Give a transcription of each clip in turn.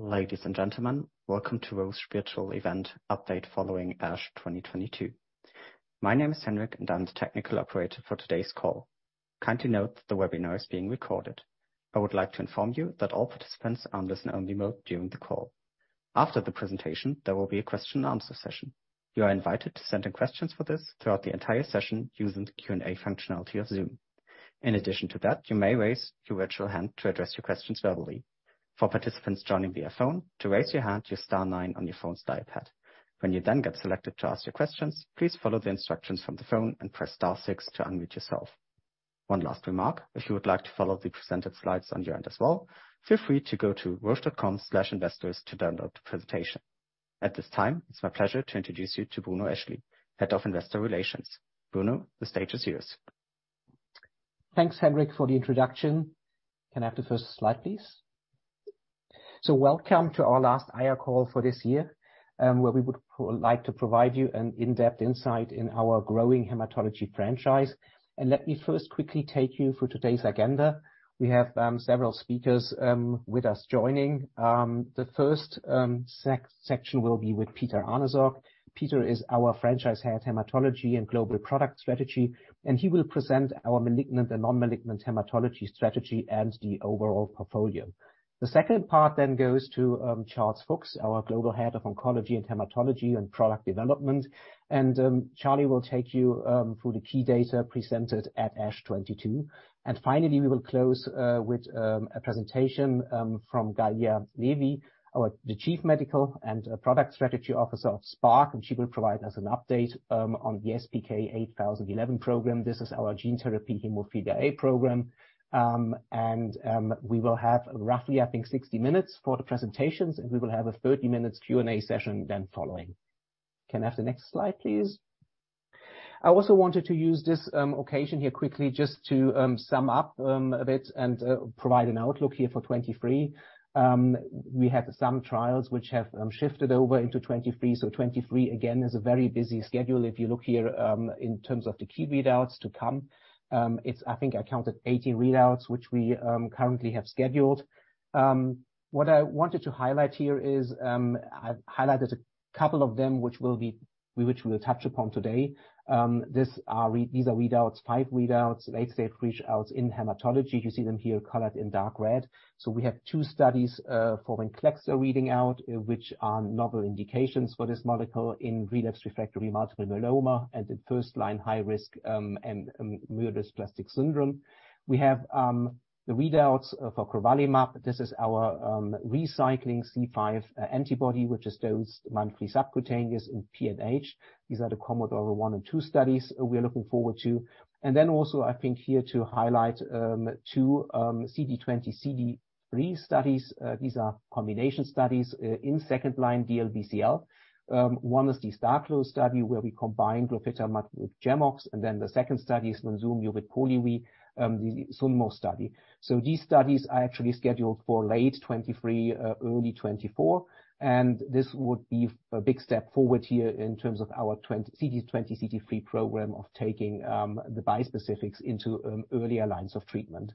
Ladies and gentlemen, welcome to Roche virtual event Update following ASH 2022. My name is Henrik, and I'm the technical operator for today's call. Kindly note that the webinar is being recorded. I would like to inform you that all participants are on listen-only mode during the call. After the presentation, there will be a question and answer session. You are invited to send in questions for this throughout the entire session using the Q&A functionality of Zoom. In addition to that, you may raise your virtual hand to address your questions verbally. For participants joining via phone, to raise your hand, use star nine on your phone's dial pad. When you then get selected to ask your questions, please follow the instructions from the phone and press star six to unmute yourself. One last remark. If you would like to follow the presented slides on your end as well, feel free to go to roche.com/investors to download the presentation. At this time, it's my pleasure to introduce you to Bruno Eschli, Head of Investor Relations. Bruno, the stage is yours. Thanks, Henrik, for the introduction. Can I have the first slide, please? Welcome to our last IR call for this year, where we would like to provide you an in-depth insight in our growing hematology franchise. Let me first quickly take you through today's agenda. We have several speakers with us joining. The first section will be with Peter Ahnesorg. Peter is our Franchise Head Hematology and Global Product Strategy. He will present our malignant and non-malignant hematology strategy and the overall portfolio. The second part goes to Charles Fuchs, our Global Head of Oncology and Hematology and Product Development. Charlie will take you through the key data presented at ASH 2022. Finally, we will close with a presentation from Gallia Levy, our... The Chief Medical and Product Strategy Officer of Spark, and she will provide us an update on the SPK-8011 program. This is our gene therapy hemophilia A program. We will have roughly, I think, 60 minutes for the presentations, and we will have a 30 minutes Q&A session then following. Can I have the next slide, please? I also wanted to use this occasion here quickly just to sum up a bit and provide an outlook here for 2023. We had some trials which have shifted over into 2023, so 2023, again, is a very busy schedule. If you look here, in terms of the key readouts to come, it's, I think, I counted 18 readouts which we currently have scheduled. What I wanted to highlight here is, I've highlighted a couple of them which we'll touch upon today. These are readouts, five readouts, late-stage readouts in hematology. You see them here colored in dark red. We have two studies for VENCLEXTA reading out, which are novel indications for this molecule in relapse refractory multiple myeloma and in first-line high risk and myelodysplastic syndrome. We have the readouts for crovalimab. This is our recycling C5 antibody which is dosed monthly subcutaneous in PNH. These are the COMMODORE 1 and 2 studies we are looking forward to. Also, I think here to highlight two CD20/CD3 studies. These are combination studies in second line DLBCL. One is the STARGLO study, where we combine glofitamab with GemOx, and then the second study is mosunetuzumab with Polivy, the SUNMO study. These studies are actually scheduled for late 2023, early 2024, and this would be a big step forward here in terms of our CD20/CD3 program of taking the bispecifics into earlier lines of treatment.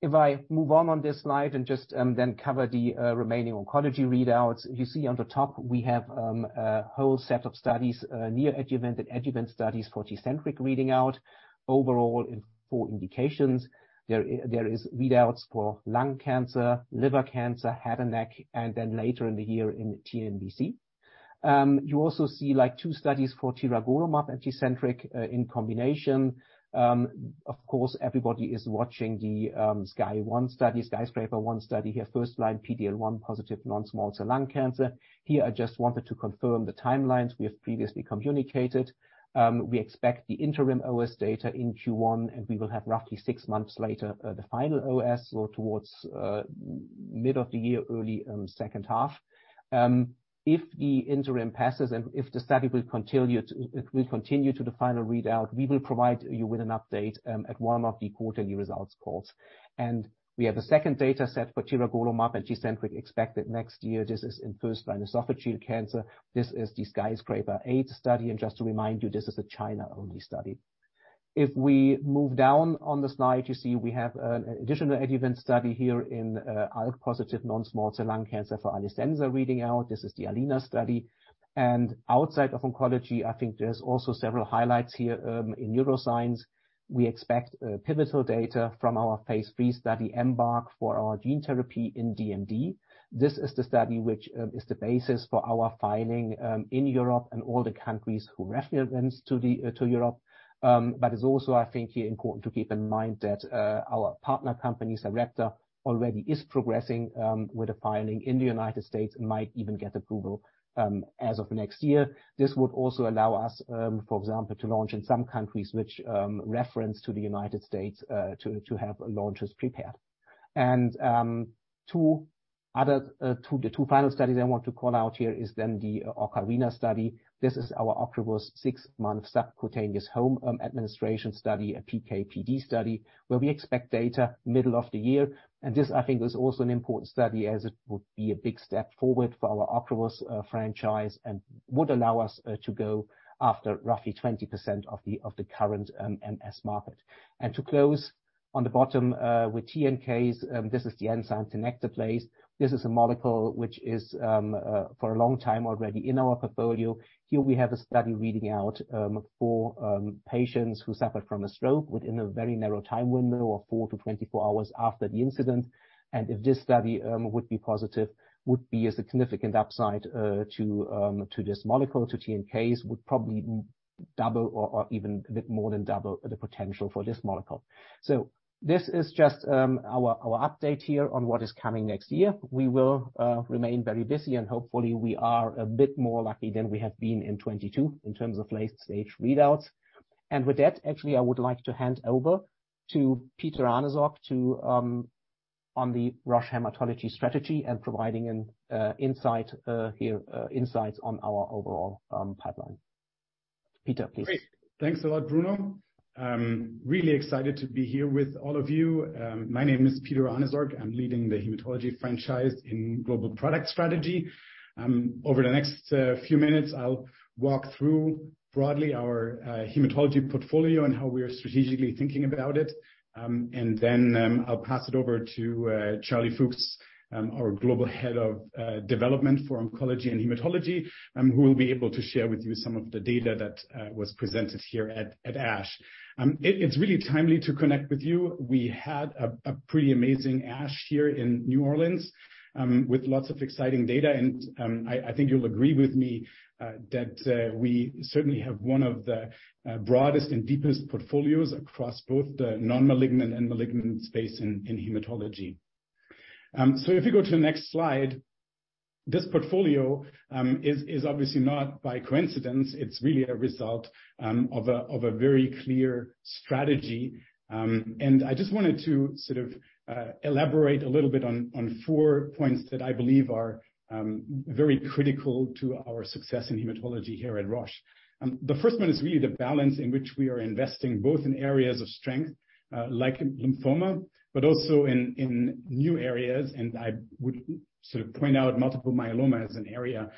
If I move on on this slide and just then cover the remaining oncology readouts, you see on the top we have a whole set of studies, neoadjuvant and adjuvant studies for Tecentriq reading out. Overall, in four indications, there is readouts for lung cancer, liver cancer, head and neck, and then later in the year in TNBC. You also see like two studies for tiragolumab and Tecentriq in combination. Of course, everybody is watching the Sky 1 study, SKYSCRAPER-01 study here, first-line PD-L1 positive non-small cell lung cancer. Here, I just wanted to confirm the timelines we have previously communicated. We expect the interim OS data in Q1, and we will have roughly six months later, the final OS or towards mid of the year, early second half. If the interim passes and if the study will continue to the final readout, we will provide you with an update at one of the quarterly results calls. We have a second data set for tiragolumab and Tecentriq expected next year. This is in first-line esophageal cancer. This is the SKYSCRAPER-08 study. Just to remind you, this is a China-only study. If we move down on the slide, you see we have an additional adjuvant study here in ALK-positive NSCLC for Alecensa reading out. This is the ALINA study. Outside of oncology, I think there's also several highlights here in neuroscience. We expect pivotal data from our phase III study, EMBARK, for our gene therapy in DMD. This is the study which is the basis for our filing in Europe and all the countries who reference to the Europe. It's also, I think, here important to keep in mind that our partner company, Sarepta, already is progressing with a filing in the United States and might even get approval as of next year. This would also allow us, for example, to launch in some countries which reference to the United States, to have launches prepared. Two other, the two final studies I want to call out here is then the OCARINA study. This is our Ocrevus six-month subcutaneous home administration study, a PK/PD study, where we expect data middle of the year. This, I think, is also an important study as it would be a big step forward for our Ocrevus franchise and would allow us to go after roughly 20% of the current MS market. On the bottom, with TNKase, this is the enzyme tenecteplase. This is a molecule which is for a long time already in our portfolio. Here we have a study reading out for patients who suffered from a stroke within a very narrow time window of four to 24 hours after the incident. If this study would be positive, would be a significant upside to this molecule, to TNKase, would probably double or even a bit more than double the potential for this molecule. This is just our update here on what is coming next year. We will remain very busy, and hopefully we are a bit more lucky than we have been in 2022 in terms of late-stage readouts. With that, actually, I would like to hand over to Peter Ahnesorg on the Roche Hematology strategy and providing an insight here on our overall pipeline. Peter, please. Great. Thanks a lot, Bruno. I'm really excited to be here with all of you. My name is Peter Ahnesorg. I'm leading the hematology franchise in global product strategy. Over the next few minutes, I'll walk through broadly our hematology portfolio and how we are strategically thinking about it. Then, I'll pass it over to Charles Fuchs, our Global Head of Development for Oncology and Hematology, who will be able to share with you some of the data that was presented here at ASH. It's really timely to connect with you. We had a pretty amazing ASH here in New Orleans, with lots of exciting data, and I think you'll agree with me, that we certainly have one of the broadest and deepest portfolios across both the non-malignant and malignant space in hematology. If you go to the next slide, this portfolio is obviously not by coincidence. It's really a result of a, of a very clear strategy. I just wanted to sort of elaborate a little bit on four points that I believe are very critical to our success in hematology here at Roche. The first one is really the balance in which we are investing both in areas of strength, like lymphoma, but also in new areas. I would sort of point out multiple myeloma as an area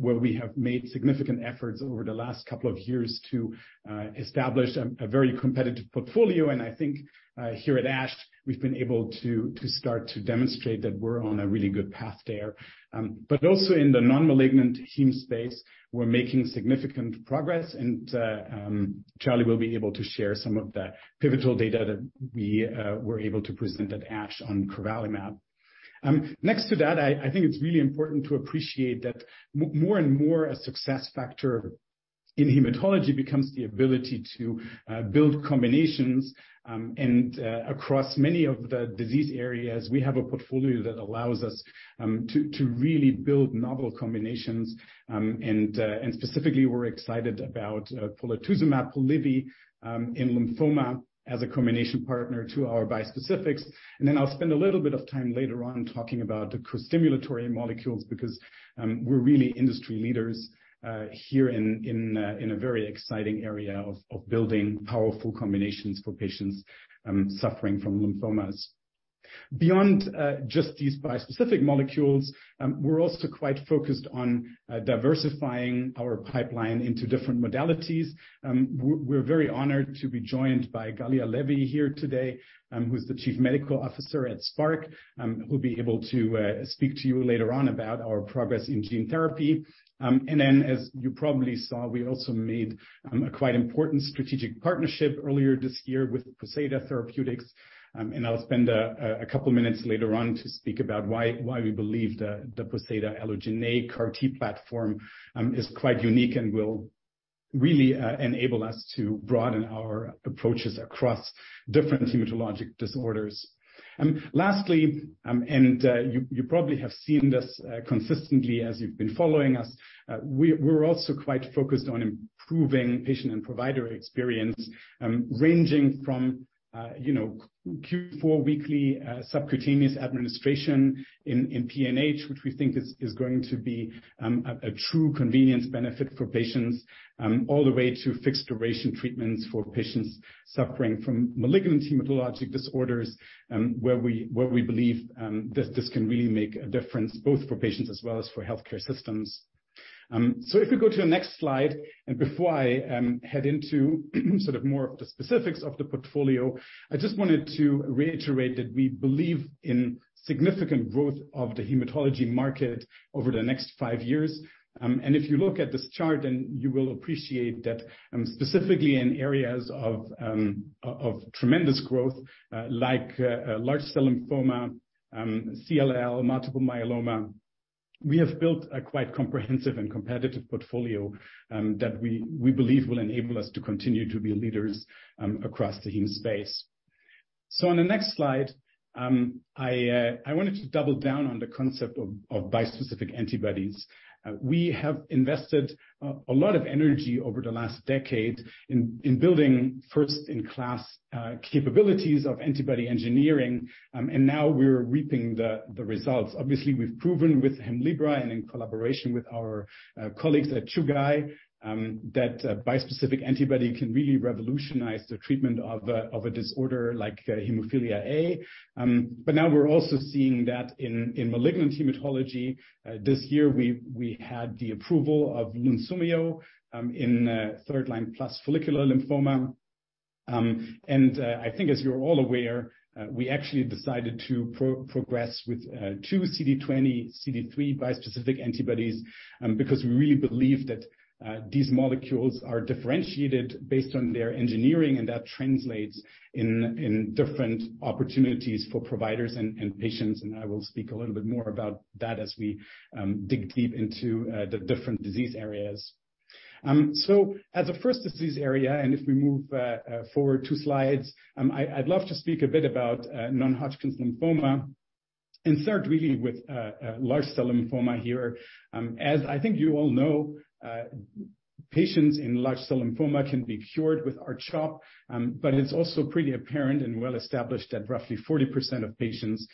where we have made significant efforts over the last couple of years to establish a very competitive portfolio. I think here at ASH, we've been able to start to demonstrate that we're on a really good path there. Also in the non-malignant heme space, we're making significant progress. Charlie will be able to share some of the pivotal data that we were able to present at ASH on crovalimab. Next to that, I think it's really important to appreciate that more and more a success factor in hematology becomes the ability to build combinations, and across many of the disease areas, we have a portfolio that allows us to really build novel combinations. Specifically, we're excited about polatuzumab, Polivy, in lymphoma as a combination partner to our bispecifics. I'll spend a little bit of time later on talking about the costimulatory molecules because we're really industry leaders here in a very exciting area of building powerful combinations for patients suffering from lymphomas. Beyond just these bispecific molecules, we're also quite focused on diversifying our pipeline into different modalities. We're very honored to be joined by Gallia Levy here today, who's the Chief Medical Officer at Spark. Who'll be able to speak to you later on about our progress in gene therapy. As you probably saw, we also made a quite important strategic partnership earlier this year with Poseida Therapeutics. I'll spend a couple minutes later on to speak about why we believe the Poseida allogeneic CAR-T platform is quite unique and will really enable us to broaden our approaches across different hematologic disorders. Lastly, you probably have seen this consistently as you've been following us. We're also quite focused on improving patient and provider experience, ranging from, you know, four-weekly subcutaneous administration in PNH, which we think is going to be a true convenience benefit for patients, all the way to fixed-duration treatments for patients suffering from malignant hematologic disorders, where we believe this can really make a difference both for patients as well as for healthcare systems. If we go to the next slide, and before I head into sort of more of the specifics of the portfolio, I just wanted to reiterate that we believe in significant growth of the hematology market over the next five years. And if you look at this chart and you will appreciate that, specifically in areas of tremendous growth, like large cell lymphoma, CLL, multiple myeloma, we have built a quite comprehensive and competitive portfolio that we believe will enable us to continue to be leaders across the heme space. On the next slide, I wanted to double down on the concept of bispecific antibodies. We have invested a lot of energy over the last decade in building first-in-class capabilities of antibody engineering, now we're reaping the results. Obviously, we've proven with Hemlibra and in collaboration with our colleagues at Chugai that a bispecific antibody can really revolutionize the treatment of a disorder like hemophilia A. Now we're also seeing that in malignant hematology. This year, we had the approval of Lunsumio in third line plus follicular lymphoma. I think as you're all aware, we actually decided to progress with two CD20, CD3 bispecific antibodies, because we really believe that these molecules are differentiated based on their engineering, that translates in different opportunities for providers and patients. I will speak a little bit more about that as we dig deep into the different disease areas. As a first disease area, if we move forward two slides, I'd love to speak a bit about non-Hodgkin's lymphoma and start really with large cell lymphoma here. As I think you all know, patients in large cell lymphoma can be cured with R-CHOP, it's also pretty apparent and well established that roughly 40% of patients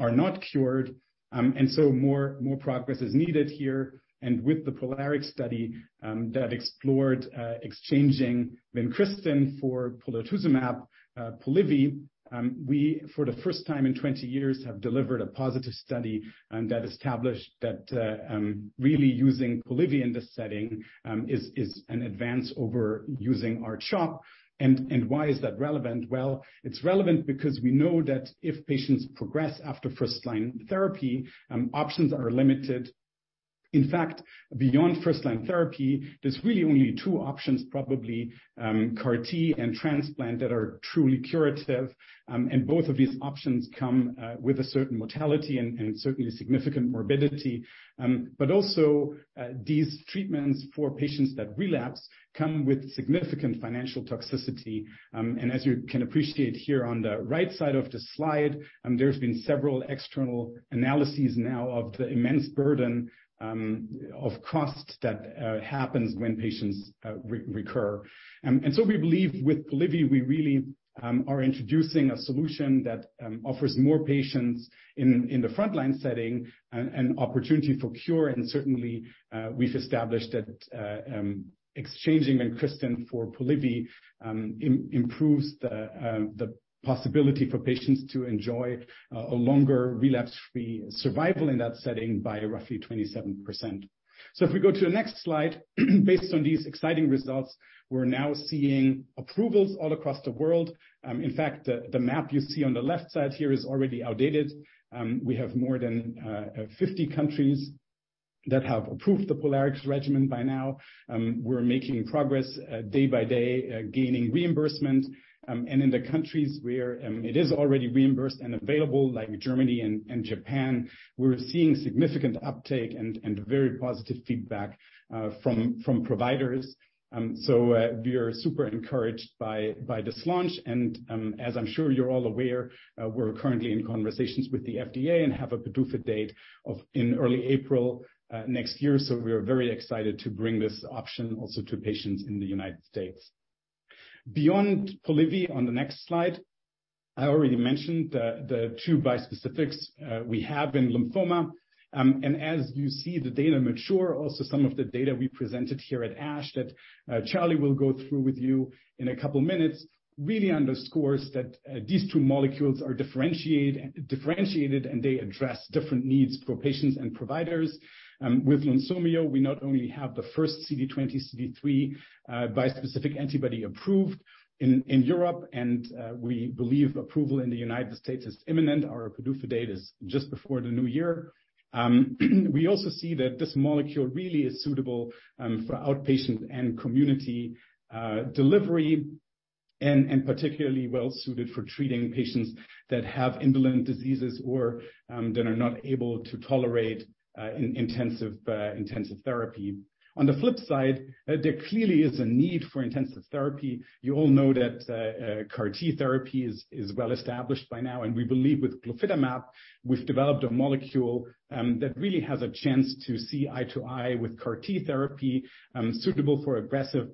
are not cured. More progress is needed here. With the POLARIX study that explored exchanging vincristine for polatuzumab, Polivy, we, for the first time in 20 years, have delivered a positive study that established that really using Polivy in this setting is an advance over using R-CHOP. Why is that relevant? Well, it's relevant because we know that if patients progress after first-line therapy, options are limited. In fact, beyond first-line therapy, there's really only two options, probably, CAR-T and transplant that are truly curative. Both of these options come with a certain mortality and certainly significant morbidity. Also, these treatments for patients that relapse come with significant financial toxicity. As you can appreciate here on the right side of the slide, there's been several external analyses now of the immense burden of cost that happens when patients recur. We believe with Polivy, we really are introducing a solution that offers more patients in the frontline setting an opportunity for cure. Certainly, we've established that exchanging vincristine for Polivy improves the possibility for patients to enjoy a longer relapse-free survival in that setting by roughly 27%. If we go to the next slide, based on these exciting results, we're now seeing approvals all across the world. In fact, the map you see on the left side here is already outdated. We have more than 50 countries that have approved the POLARIX regimen by now. We're making progress day by day, gaining reimbursement. In the countries where it is already reimbursed and available, like Germany and Japan, we're seeing significant uptake and very positive feedback from providers. We are super encouraged by this launch. As I'm sure you're all aware, we're currently in conversations with the FDA and have a PDUFA date of, in early April next year. We are very excited to bring this option also to patients in the United States. Beyond Polivy, on the next slide, I already mentioned the two bispecifics we have in lymphoma. As you see the data mature, also some of the data we presented here at ASH that Charlie will go through with you in a couple of minutes, really underscores that these two molecules are differentiated, and they address different needs for patients and providers. With Lunsumio, we not only have the first CD20, CD3 bispecific antibody approved in Europe, and we believe approval in the United States is imminent. Our PDUFA date is just before the new year. We also see that this molecule really is suitable for outpatient and community delivery and particularly well-suited for treating patients that have indolent diseases or that are not able to tolerate intensive therapy. On the flip side, there clearly is a need for intensive therapy. You all know that CAR-T therapy is well established by now, we believe with glofitamab, we've developed a molecule that really has a chance to see eye to eye with CAR-T therapy, suitable for aggressive,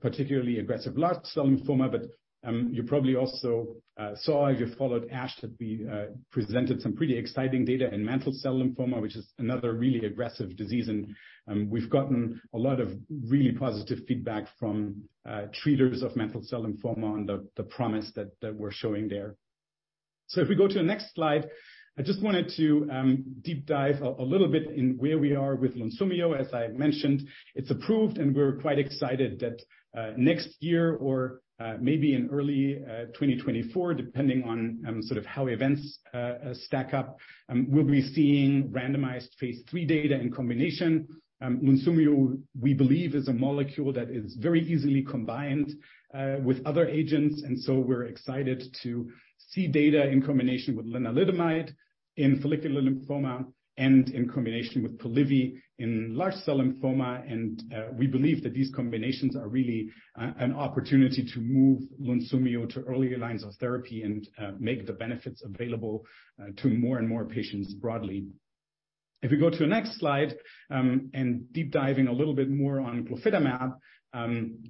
particularly aggressive large cell lymphoma. You probably also saw if you followed ASH that we presented some pretty exciting data in mantle cell lymphoma, which is another really aggressive disease. We've gotten a lot of really positive feedback from treaters of mantle cell lymphoma on the promise that we're showing there. If we go to the next slide, I just wanted to deep dive a little bit in where we are with Lunsumio. As I mentioned, it's approved, and we're quite excited that next year or maybe in early 2024, depending on sort of how events stack up, we'll be seeing randomized phase III data in combination. Lunsumio, we believe, is a molecule that is very easily combined with other agents, we're excited to see data in combination with lenalidomide in follicular lymphoma and in combination with Polivy in large cell lymphoma. We believe that these combinations are really a, an opportunity to move Lunsumio to earlier lines of therapy and make the benefits available to more and more patients broadly. If you go to the next slide, and deep diving a little bit more on glofitamab,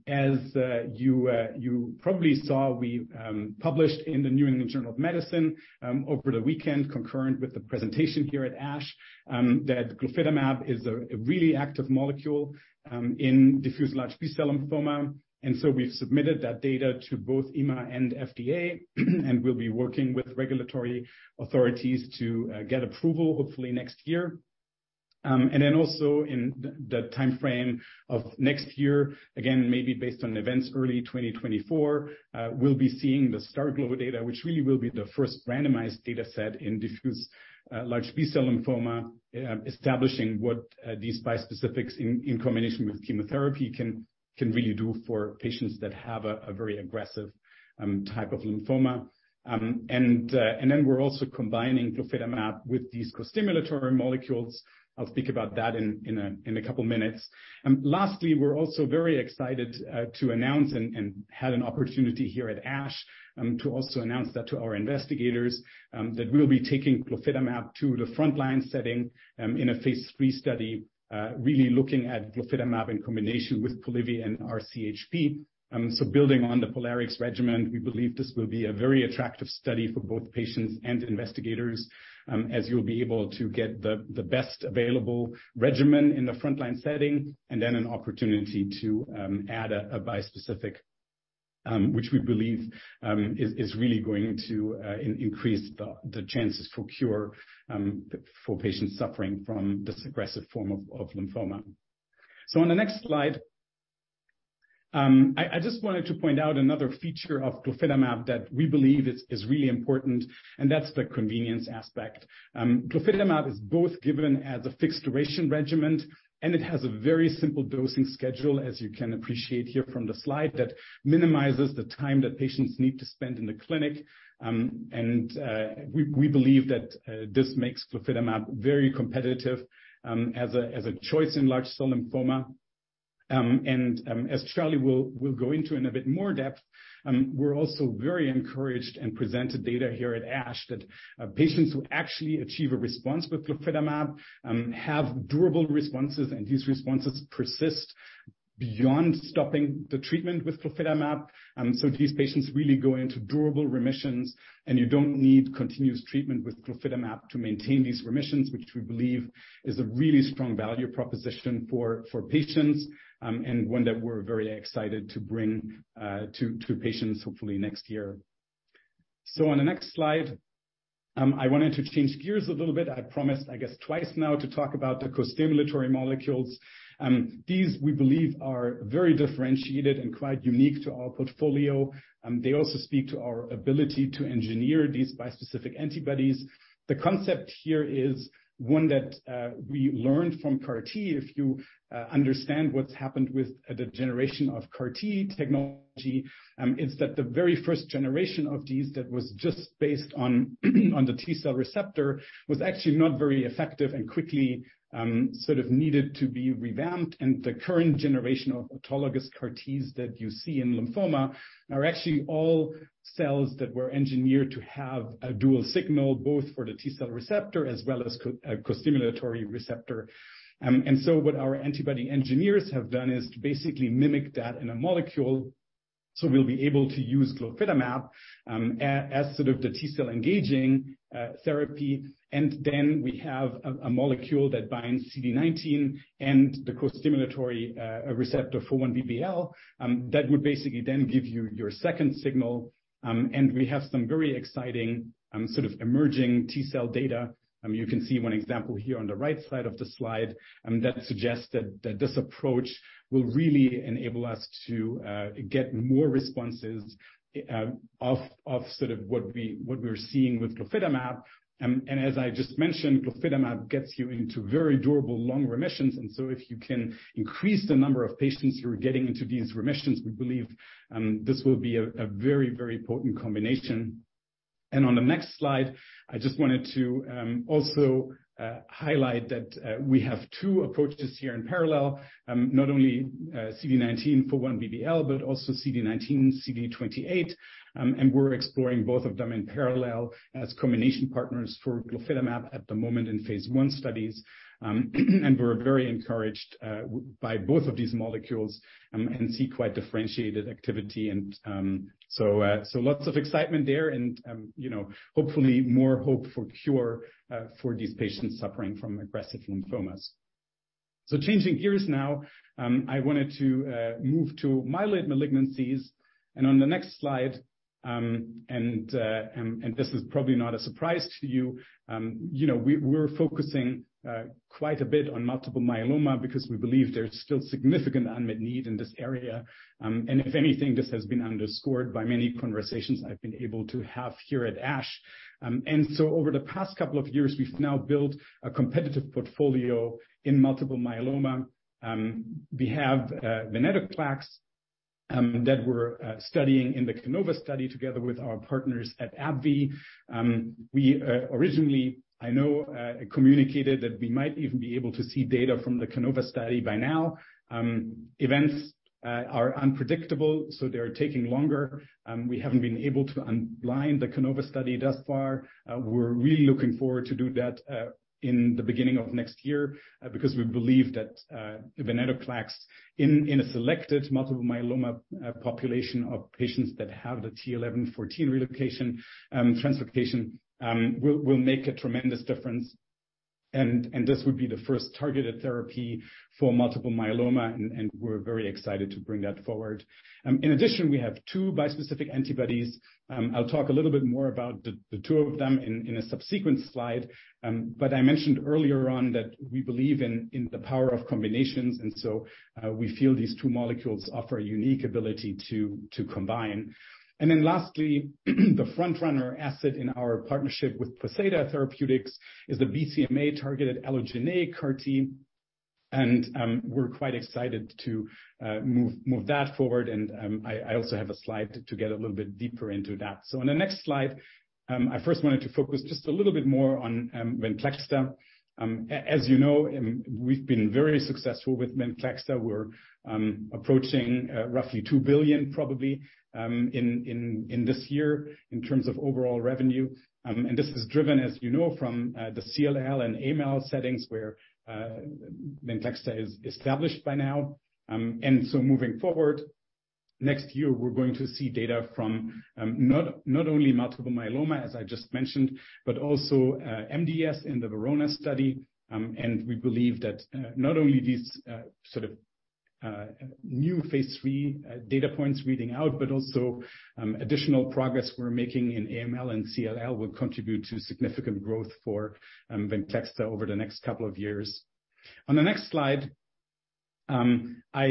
as you probably saw, we published in The New England Journal of Medicine, over the weekend, concurrent with the presentation here at ASH, that glofitamab is a really active molecule, in diffuse large B-cell lymphoma. We've submitted that data to both EMA and FDA, and we'll be working with regulatory authorities to get approval hopefully next year. Also in the timeframe of next year, again, maybe based on events early 2024, we'll be seeing the STARGLO data, which really will be the first randomized data set in diffuse large B-cell lymphoma, establishing what these bispecifics in combination with chemotherapy can really do for patients that have a very aggressive type of lymphoma. We're also combining glofitamab with these costimulatory molecules. I'll speak about that in a couple of minutes. Lastly, we're also very excited to announce and had an opportunity here at ASH to also announce that to our investigators that we'll be taking glofitamab to the frontline setting in a phase III study really looking at glofitamab in combination with Polivy and R-CHP. Building on the POLARIX regimen, we believe this will be a very attractive study for both patients and investigators as you'll be able to get the best available regimen in the frontline setting and then an opportunity to add a bispecific which we believe is really going to increase the chances for cure for patients suffering from this aggressive form of lymphoma. On the next slide, I just wanted to point out another feature of glofitamab that we believe is really important, and that's the convenience aspect. glofitamab is both given as a fixed duration regimen, and it has a very simple dosing schedule, as you can appreciate here from the slide, that minimizes the time that patients need to spend in the clinic. We believe that this makes glofitamab very competitive as a choice in large cell lymphoma. As Charlie will go into in a bit more depth, we're also very encouraged and presented data here at ASH that patients who actually achieve a response with glofitamab have durable responses, and these responses persist beyond stopping the treatment with glofitamab. These patients really go into durable remissions, and you don't need continuous treatment with glofitamab to maintain these remissions, which we believe is a really strong value proposition for patients, and one that we're very excited to bring to patients hopefully next year. On the next slide, I wanted to change gears a little bit. I promised, I guess, twice now, to talk about the costimulatory molecules. These we believe are very differentiated and quite unique to our portfolio. They also speak to our ability to engineer these bispecific antibodies. The concept here is one that we learned from CAR-T. If you understand what's happened with the generation of CAR T technology, it's that the very first generation of these that was just based on the T-cell receptor was actually not very effective and quickly sort of needed to be revamped. The current generation of autologous CAR Ts that you see in lymphoma are actually all cells that were engineered to have a dual signal, both for the T-cell receptor as well as a costimulatory receptor. What our antibody engineers have done is to basically mimic that in a molecule. We'll be able to use glofitamab as sort of the T-cell engaging therapy. We have a molecule that binds CD19 and the costimulatory receptor 4-1BB that would basically then give you your second signal. We have some very exciting, sort of emerging T-cell data. You can see one example here on the right side of the slide, that suggests that this approach will really enable us to get more responses off sort of what we're seeing with glofitamab. As I just mentioned, glofitamab gets you into very durable long remissions. If you can increase the number of patients who are getting into these remissions, we believe, this will be a very potent combination. On the next slide, I just wanted to also highlight that we have two approaches here in parallel. Not only CD19, 4-1BB, but also CD19, CD28. We're exploring both of them in parallel as combination partners for glofitamab at the moment in phase I studies. We're very encouraged by both of these molecules and see quite differentiated activity. lots of excitement there and, you know, hopefully more hope for cure for these patients suffering from aggressive lymphomas. Changing gears now, I wanted to move to myeloid malignancies. On the next slide, this is probably not a surprise to you know, we're focusing quite a bit on multiple myeloma because we believe there's still significant unmet need in this area. If anything, this has been underscored by many conversations I've been able to have here at ASH. Over the past couple of years, we've now built a competitive portfolio in multiple myeloma. We have venetoclax that we're studying in the CANOVA study together with our partners at AbbVie. We originally, I know, communicated that we might even be able to see data from the CANOVA study by now. Events are unpredictable, they are taking longer. We haven't been able to unblind the CANOVA study thus far. We're really looking forward to do that in the beginning of next year because we believe that venetoclax in a selected multiple myeloma population of patients that have the t(11;14) relocation translocation will make a tremendous difference. This would be the first targeted therapy for multiple myeloma, and we're very excited to bring that forward. In addition, we have two bispecific antibodies. I'll talk a little bit more about the two of them in a subsequent slide. I mentioned earlier on that we believe in the power of combinations. We feel these two molecules offer a unique ability to combine. Lastly, the front-runner asset in our partnership with Poseida Therapeutics is the BCMA-targeted allogeneic CAR-T, and we're quite excited to move that forward. I also have a slide to get a little bit deeper into that. On the next slide, I first wanted to focus just a little bit more on VENCLEXTA. As you know, we've been very successful with VENCLEXTA. We're approaching roughly $2 billion probably in this year in terms of overall revenue. This is driven, as you know, from the CLL and AML settings where VENCLEXTA is established by now. Moving forward, next year we're going to see data from not only multiple myeloma, as I just mentioned, but also MDS in the VERONA study. We believe that not only these sort of new phase III data points reading out, but also additional progress we're making in AML and CLL will contribute to significant growth for VENCLEXTA over the next couple of years. On the next slide, I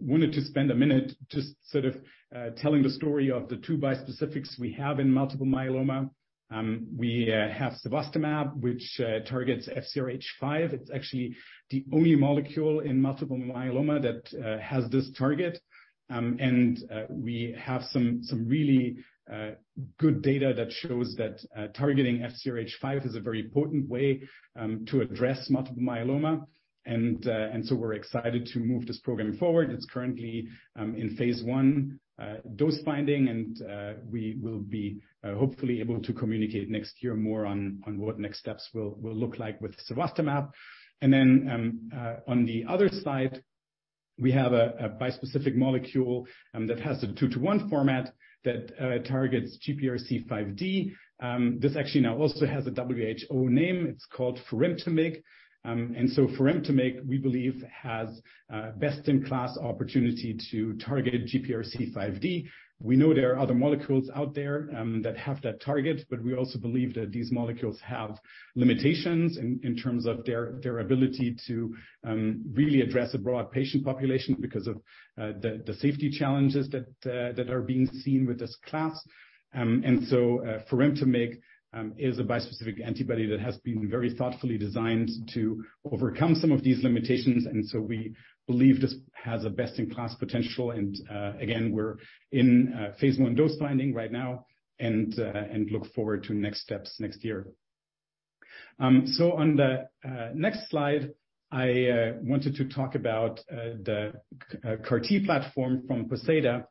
wanted to spend a minute just sort of telling the story of the two bispecifics we have in multiple myeloma. We have cevostamab, which targets FcRH5. It's actually the only molecule in multiple myeloma that has this target. We have some really good data that shows that targeting FcRH5 is a very potent way to address multiple myeloma. We're excited to move this program forward. It's currently in phase I dose finding, we will be hopefully able to communicate next year more on what next steps will look like with cevostamab. On the other side, we have a bispecific molecule that has a two-to-one format that targets GPRC5D. This actually now also has a WHO name. It's called forimtamig. Forimtamig, we believe, has best-in-class opportunity to target GPRC5D. We know there are other molecules out there that have that target, but we also believe that these molecules have limitations in terms of their ability to really address a broad patient population because of the safety challenges that are being seen with this class. Forimtamig is a bispecific antibody that has been very thoughtfully designed to overcome some of these limitations. We believe this has a best-in-class potential. Again, we're in phase I dose finding right now and look forward to next steps next year. On the next slide, I wanted to talk about the CAR-T platform from Poseida.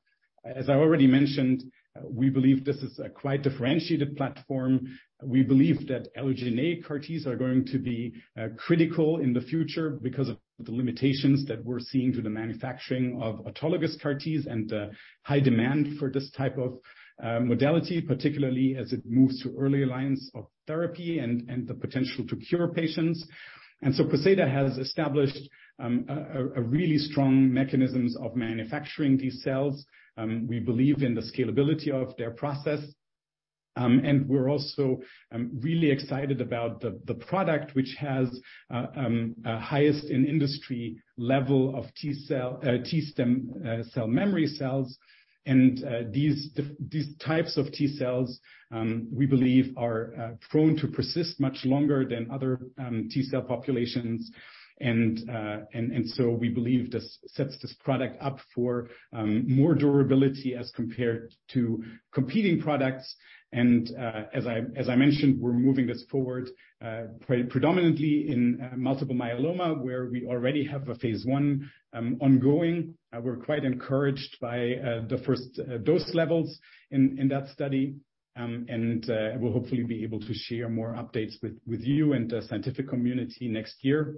As I already mentioned, we believe this is a quite differentiated platform. We believe that allogeneic CAR-Ts are going to be critical in the future because of the limitations that we're seeing to the manufacturing of autologous CAR-Ts and the high demand for this type of modality, particularly as it moves to early lines of therapy and the potential to cure patients. Poseida has established a really strong mechanisms of manufacturing these cells. We believe in the scalability of their process. We're also really excited about the product, which has a highest in industry level of T-cell T stem cell memory cells. These types of T cells, we believe are prone to persist much longer than other T-cell populations. We believe this sets this product up for more durability as compared to competing products. As I mentioned, we're moving this forward predominantly in multiple myeloma, where we already have a phase I ongoing. We're quite encouraged by the first dose levels in that study. We'll hopefully be able to share more updates with you and the scientific community next year.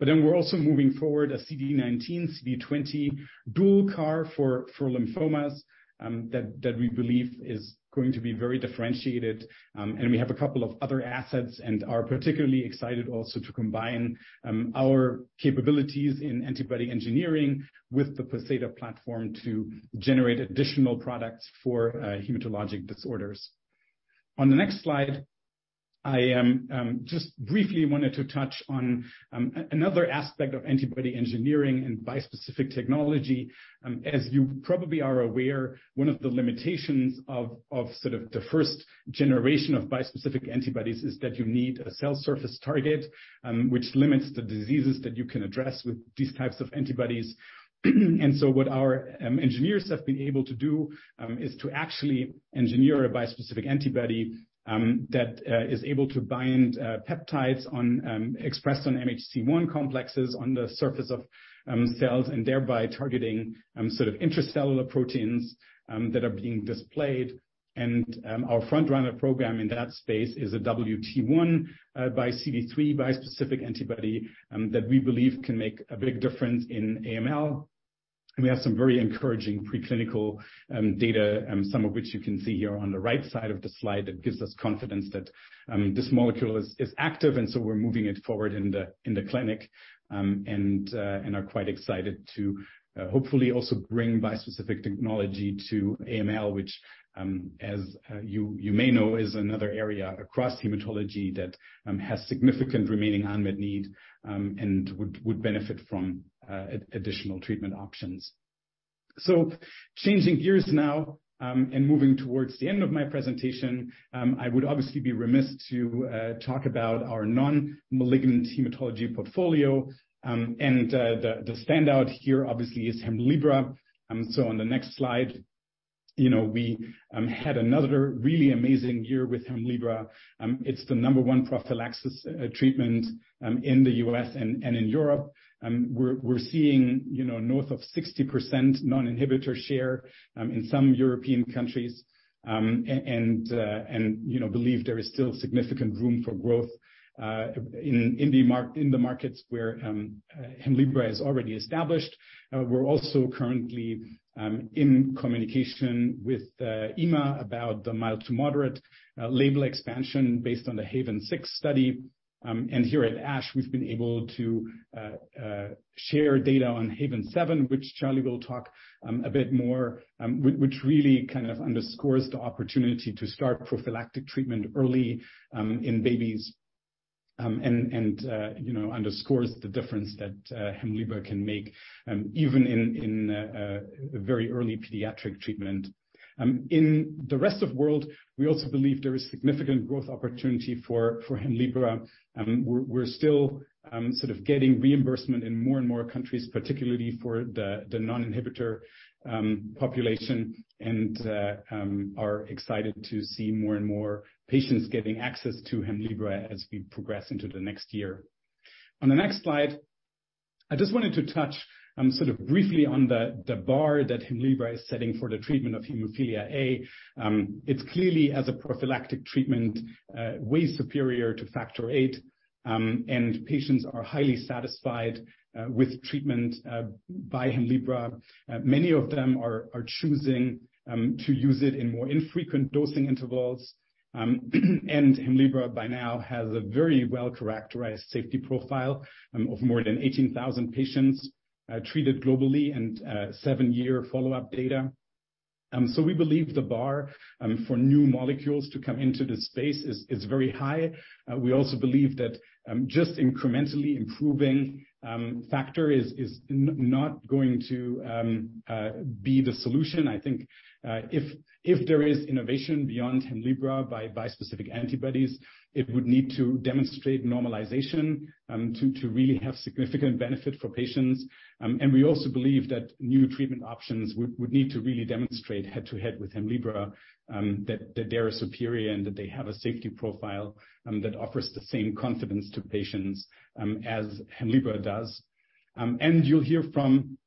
We're also moving forward a CD19, CD20 dual CAR for lymphomas that we believe is going to be very differentiated. We have a couple of other assets and are particularly excited also to combine our capabilities in antibody engineering with the Poseida platform to generate additional products for hematologic disorders. On the next slide, I just briefly wanted to touch on another aspect of antibody engineering and bispecific technology. As you probably are aware, one of the limitations of sort of the first generation of bispecific antibodies is that you need a cell surface target, which limits the diseases that you can address with these types of antibodies. So what our engineers have been able to do is to actually engineer a bispecific antibody that is able to bind peptides on expressed on MHC-1 complexes on the surface of cells, and thereby targeting sort of intracellular proteins that are being displayed. Our front-runner program in that space is a WT1 by CD3 bispecific antibody that we believe can make a big difference in AML. We have some very encouraging preclinical data, some of which you can see here on the right side of the slide that gives us confidence that this molecule is active, so we're moving it forward in the clinic, and are quite excited to hopefully also bring bispecific technology to AML, which as you may know, is another area across hematology that has significant remaining unmet need, and would benefit from additional treatment options. Changing gears now, and moving towards the end of my presentation, I would obviously be remiss to talk about our non-malignant hematology portfolio, and the standout here obviously is Hemlibra. On the next slide, you know, we had another really amazing year with Hemlibra. It's the number one prophylaxis treatment in the U.S. and in Europe. We're seeing, you know, north of 60% non-inhibitor share in some European countries, and, you know, believe there is still significant room for growth in the markets where Hemlibra is already established. We're also currently in communication with EMA about the mild to moderate label expansion based on the HAVEN 6 study. Here at ASH, we've been able to share data on HAVEN 7, which Charlie will talk a bit more, which really kind of underscores the opportunity to start prophylactic treatment early in babies. You know, underscores the difference that Hemlibra can make even in very early pediatric treatment. In the rest of world, we also believe there is significant growth opportunity for Hemlibra. We're still sort of getting reimbursement in more and more countries, particularly for the non-inhibitor population. Are excited to see more and more patients getting access to Hemlibra as we progress into the next year. On the next slide, I just wanted to touch, sort of briefly on the bar that Hemlibra is setting for the treatment of hemophilia A. It's clearly, as a prophylactic treatment, way superior to factor VIII, and patients are highly satisfied with treatment by Hemlibra. Many of them are choosing to use it in more infrequent dosing intervals. Hemlibra by now has a very well-characterized safety profile, of more than 18,000 patients, treated globally and seven-year follow-up data. We believe the bar for new molecules to come into this space is very high. We also believe that just incrementally improving factor is not going to be the solution. I think, if there is innovation beyond Hemlibra by bispecific antibodies, it would need to demonstrate normalization to really have significant benefit for patients. We also believe that new treatment options would need to really demonstrate head-to-head with Hemlibra that they are superior and that they have a safety profile that offers the same confidence to patients as Hemlibra does. You'll hear from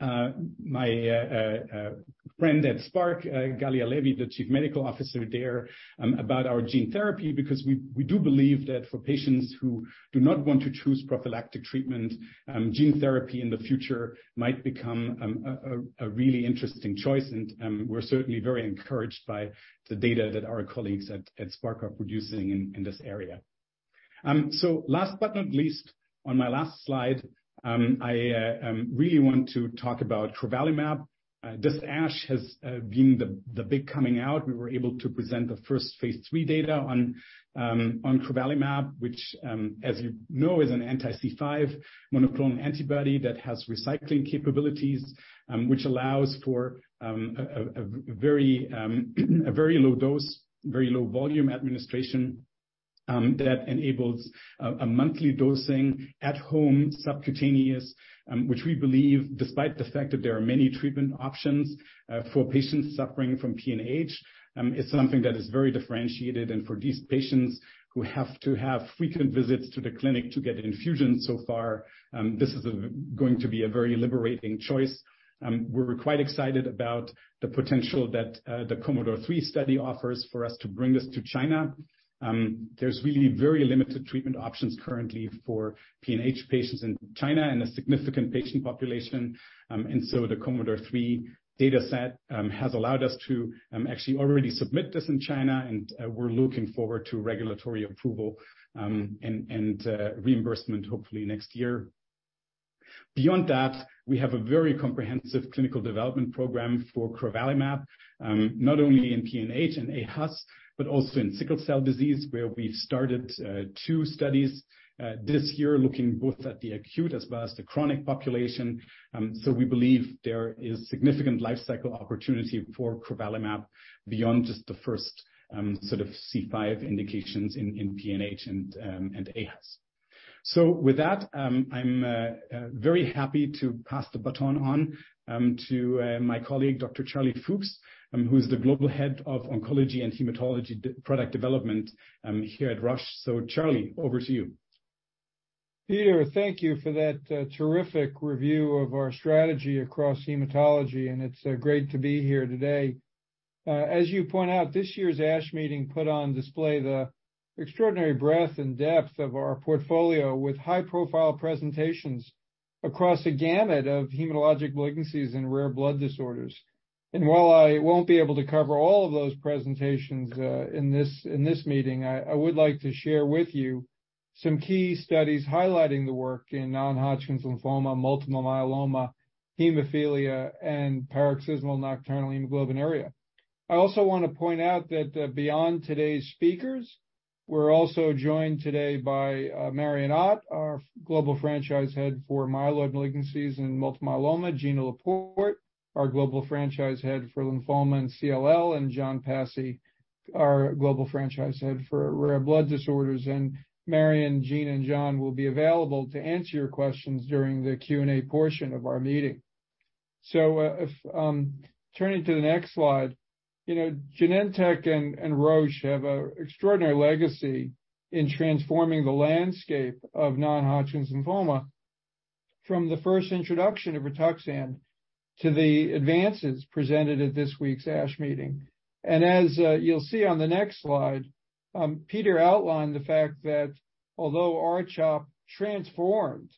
my friend at Spark, Gallia Levy, the Chief Medical Officer there, about our gene therapy, because we do believe that for patients who do not want to choose prophylactic treatment, gene therapy in the future might become a really interesting choice, and we're certainly very encouraged by the data that our colleagues at Spark are producing in this area. Last but not least, on my last slide, really want to talk about crovalimab. This ASH has been the big coming out. We were able to present the first phase III data on crovalimab, which, as you know, is an anti-C5 monoclonal antibody that has recycling capabilities, which allows for a very low dose, very low volume administration, that enables a monthly dosing at home, subcutaneous, which we believe, despite the fact that there are many treatment options for patients suffering from PNH, is something that is very differentiated. For these patients who have to have frequent visits to the clinic to get infusions so far, this is going to be a very liberating choice. We're quite excited about the potential that the COMMODORE 3 study offers for us to bring this to China. There's really very limited treatment options currently for PNH patients in China and a significant patient population. The COMMODORE 3 dataset has allowed us to actually already submit this in China, and we're looking forward to regulatory approval and reimbursement hopefully next year. Beyond that, we have a very comprehensive clinical development program for crovalimab, not only in PNH and aHUS, but also in sickle cell disease, where we started two studies this year looking both at the acute as well as the chronic population. We believe there is significant lifecycle opportunity for crovalimab beyond just the first sort of C5 indications in PNH and aHUS. With that, I'm very happy to pass the baton on to my colleague, Dr. Charlie Fuchs, who's the Global Head of Oncology and Hematology Product Development here at Roche. Charlie, over to you. Peter, thank you for that terrific review of our strategy across hematology, and it's great to be here today. As you point out, this year's ASH Meeting put on display the extraordinary breadth and depth of our portfolio with high-profile presentations across a gamut of hematologic malignancies and rare blood disorders. While I won't be able to cover all of those presentations, in this meeting, I would like to share with you some key studies highlighting the work in non-Hodgkin's lymphoma, multiple myeloma, hemophilia, and paroxysmal nocturnal hemoglobinuria. I also want to point out that, beyond today's speakers, we're also joined today by Marion Ott, our Global Franchise Head for Myeloid Malignancies and Multiple Myeloma, Ginna Laport, our Global Franchise Head for Lymphoma and CLL, and John Pasi, our Global Franchise Head for Rare Blood Disorders. Marion, Ginna, and John will be available to answer your questions during the Q&A portion of our meeting. If, turning to the next slide. You know, Genentech and Roche have a extraordinary legacy in transforming the landscape of non-Hodgkin's lymphoma from the first introduction of Rituxan to the advances presented at this week's ASH Meeting. As you'll see on the next slide, Peter outlined the fact that although R-CHOP transformed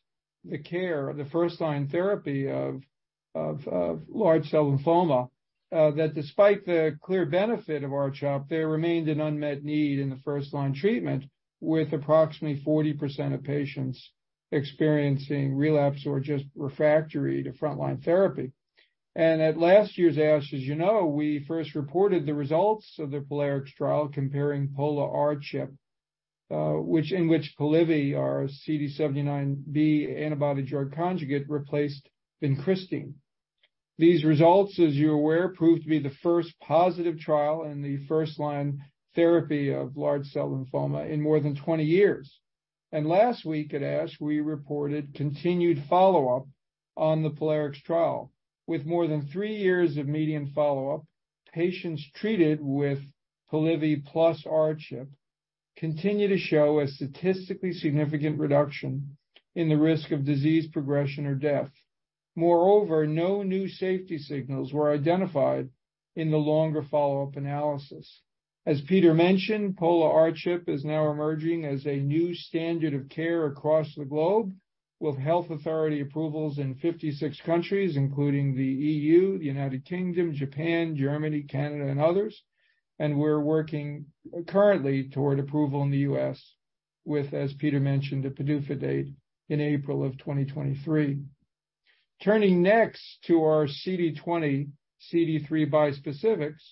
the care, the first-line therapy of large cell lymphoma, that despite the clear benefit of R-CHOP, there remained an unmet need in the first-line treatment with approximately 40% of patients experiencing relapse or just refractory to frontline therapy. At last year's ASH, as you know, we first reported the results of the POLARIX trial comparing pola-R-CHP, which in which Polivy, our CD79B antibody drug conjugate, replaced vincristine. These results, as you're aware, proved to be the first positive trial in the first-line therapy of large cell lymphoma in more than 20 years. Last week at ASH, we reported continued follow-up on the POLARIX trial. With more than three years of median follow-up, patients treated with Polivy plus R-CHOP continue to show a statistically significant reduction in the risk of disease progression or death. Moreover, no new safety signals were identified in the longer follow-up analysis. As Peter mentioned, pola-R-CHP is now emerging as a new standard of care across the globe with health authority approvals in 56 countries, including the EU, the United Kingdom, Japan, Germany, Canada, and others. We're working currently toward approval in the U.S. with, as Peter mentioned, a PDUFA date in April of 2023. Turning next to our CD20, CD3 bispecifics,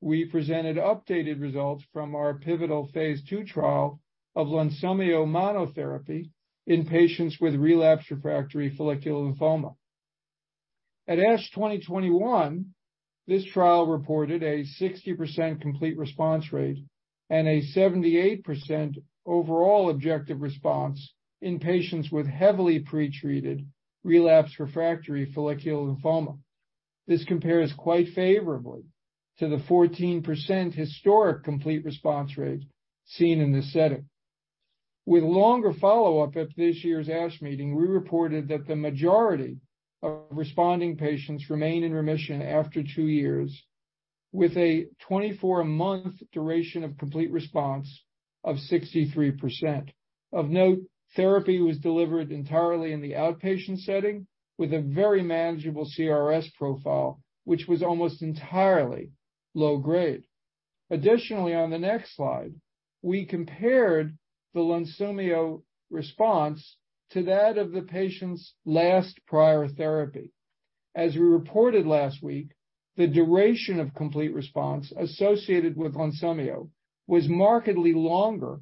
we presented updated results from our pivotal phase II trial of Lunsumio monotherapy in patients with relapse refractory follicular lymphoma. At ASH 2021, this trial reported a 60% complete response rate and a 78% overall objective response in patients with heavily pretreated relapse refractory follicular lymphoma. This compares quite favorably to the 14% historic complete response rate seen in this setting. With longer follow-up at this year's ASH Meeting, we reported that the majority of responding patients remain in remission after two years with a 24-month duration of complete response of 63%. Of note, therapy was delivered entirely in the outpatient setting with a very manageable CRS profile, which was almost entirely low grade. Additionally, on the next slide, we compared the Lunsumio response to that of the patient's last prior therapy. As we reported last week, the duration of complete response associated with Lunsumio was markedly longer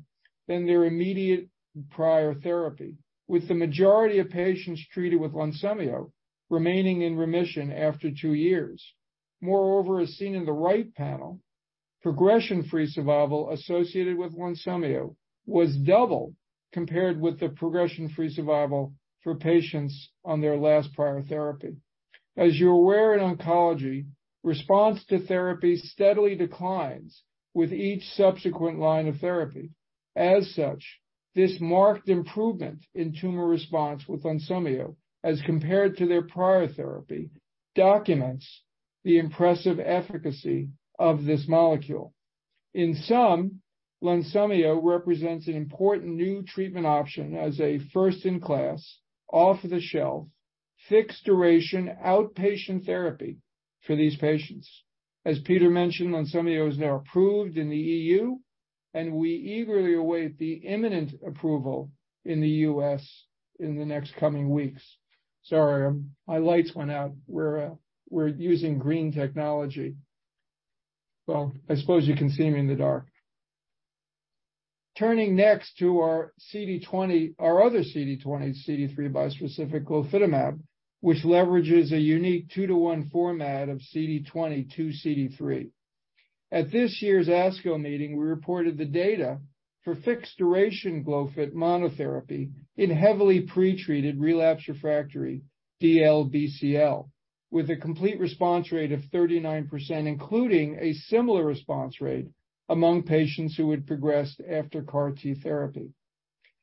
than their immediate prior therapy, with the majority of patients treated with Lunsumio remaining in remission after two years. Moreover, as seen in the right panel, progression-free survival associated with Lunsumio was double compared with the progression-free survival for patients on their last prior therapy. As you're aware, in oncology, response to therapy steadily declines with each subsequent line of therapy. As such, this marked improvement in tumor response with Lunsumio as compared to their prior therapy, documents the impressive efficacy of this molecule. In sum, Lunsumio represents an important new treatment option as a first-in-class, off-the-shelf, fixed duration, outpatient therapy for these patients. As Peter mentioned, Lunsumio is now approved in the EU, and we eagerly await the imminent approval in the U.S. in the next coming weeks. Sorry, my lights went out. We're using green technology. Well, I suppose you can see me in the dark. Turning next to our other CD20, CD3 bispecific glofitamab, which leverages a unique two-to-one format of CD20 to CD3. At this year's ASCO meeting, we reported the data for fixed duration Glofit monotherapy in heavily pretreated relapse refractory DLBCL with a complete response rate of 39%, including a similar response rate among patients who had progressed after CAR-T therapy.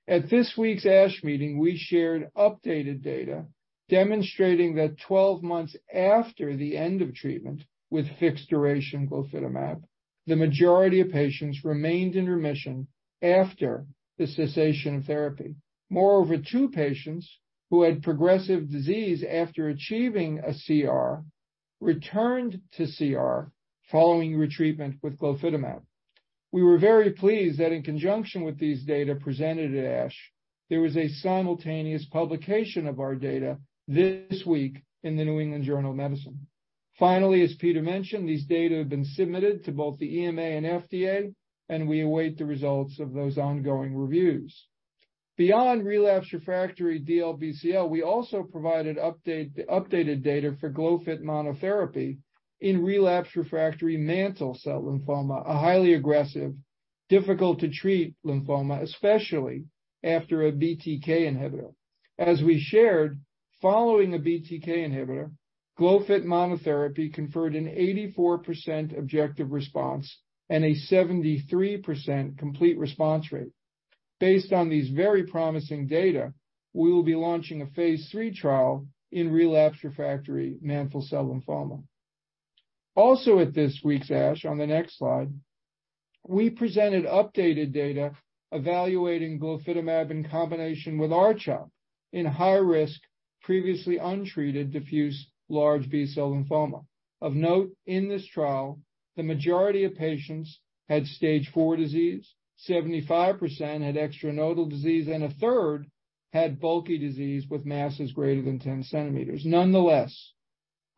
At this week's ASH Meeting, we shared updated data demonstrating that 12 months after the end of treatment with fixed-duration glofitamab, the majority of patients remained in remission after the cessation of therapy. Moreover, two patients who had progressive disease after achieving a CR returned to CR following retreatment with glofitamab. We were very pleased that in conjunction with these data presented at ASH, there was a simultaneous publication of our data this week in The New England Journal of Medicine. As Peter mentioned, these data have been submitted to both the EMA and FDA, and we await the results of those ongoing reviews. Beyond relapse refractory DLBCL, we also provided updated data for glofit monotherapy in relapse refractory mantle cell lymphoma, a highly aggressive, difficult-to-treat lymphoma, especially after a BTK inhibitor. As we shared, following a BTK inhibitor, glofit monotherapy conferred an 84% objective response and a 73% complete response rate. Based on these very promising data, we will be launching a phase III trial in relapse refractory mantle cell lymphoma. At this week's ASH, on the next slide, we presented updated data evaluating glofitamab in combination with R-CHOP in high-risk, previously untreated diffuse large B-cell lymphoma. Of note, in this trial, the majority of patients had stage four disease, 75% had extranodal disease, and a third had bulky disease with masses greater than 10 cm. Nonetheless,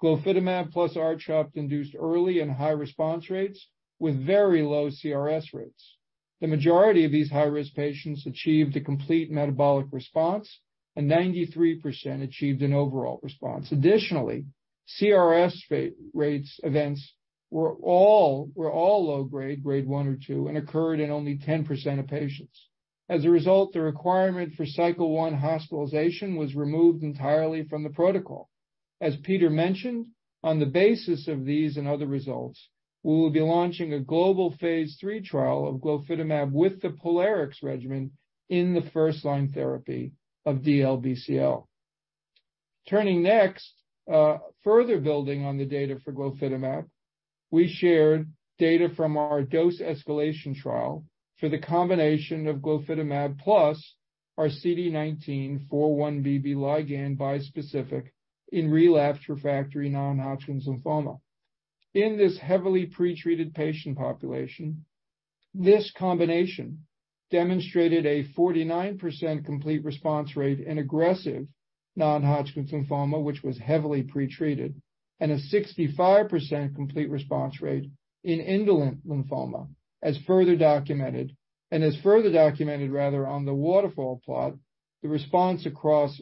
glofitamab plus R-CHOP induced early and high response rates with very low CRS rates. The majority of these high-risk patients achieved a complete metabolic response, and 93% achieved an overall response. Additionally, CRS events were all low-grade, grade one or two, and occurred in only 10% of patients. The requirement for cycle one hospitalization was removed entirely from the protocol. As Peter mentioned, on the basis of these and other results, we will be launching a global phase III trial of glofitamab with the POLARIX regimen in the first-line therapy of DLBCL. Turning next, further building on the data for glofitamab, we shared data from our dose escalation trial for the combination of glofitamab plus our CD19 4-1BB ligand bispecific in relapse refractory non-Hodgkin's lymphoma. In this heavily pretreated patient population, this combination demonstrated a 49% complete response rate in aggressive non-Hodgkin's lymphoma, which was heavily pretreated, and a 65% complete response rate in indolent lymphoma. As further documented, rather, on the waterfall plot, the response across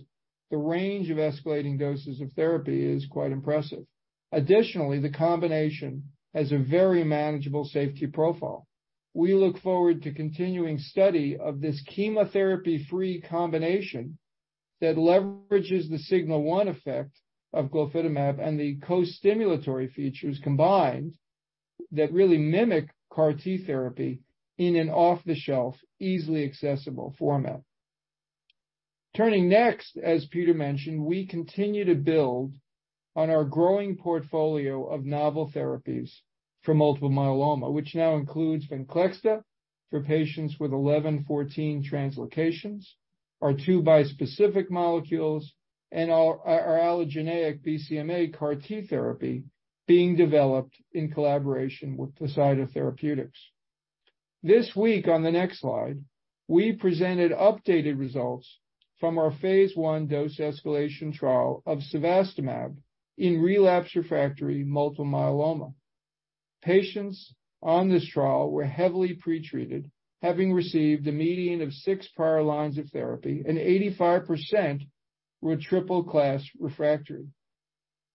the range of escalating doses of therapy is quite impressive. Additionally, the combination has a very manageable safety profile. We look forward to continuing study of this chemotherapy-free combination that leverages the signal one effect of glofitamab and the co-stimulatory features combined that really mimic CAR-T therapy in an off-the-shelf, easily accessible format. As Peter mentioned, we continue to build on our growing portfolio of novel therapies for multiple myeloma, which now includes VENCLEXTA for patients with 11-14 translocations, our two bispecific molecules, and our allogeneic BCMA CAR-T therapy being developed in collaboration with Poseida Therapeutics. This week, on the next slide, we presented updated results from our phase I dose escalation trial of cevostamab in relapse refractory multiple myeloma. Patients on this trial were heavily pretreated, having received a median of six prior lines of therapy, and 85% were triple class refractory.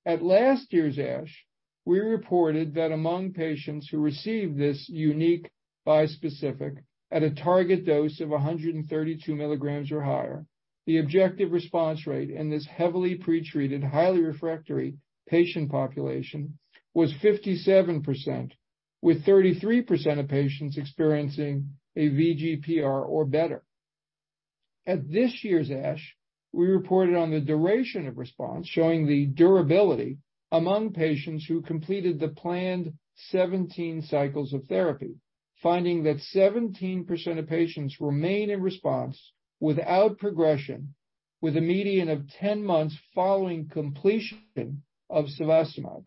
At last year's ASH, we reported that among patients who received this unique bispecific at a target dose of 132 mg or higher, the objective response rate in this heavily pretreated, highly refractory patient population was 57%, with 33% of patients experiencing a VGPR or better. At this year's ASH, we reported on the duration of response, showing the durability among patients who completed the planned 17 cycles of therapy, finding that 17% of patients remain in response without progression, with a median of 10 months following completion of cevostamab.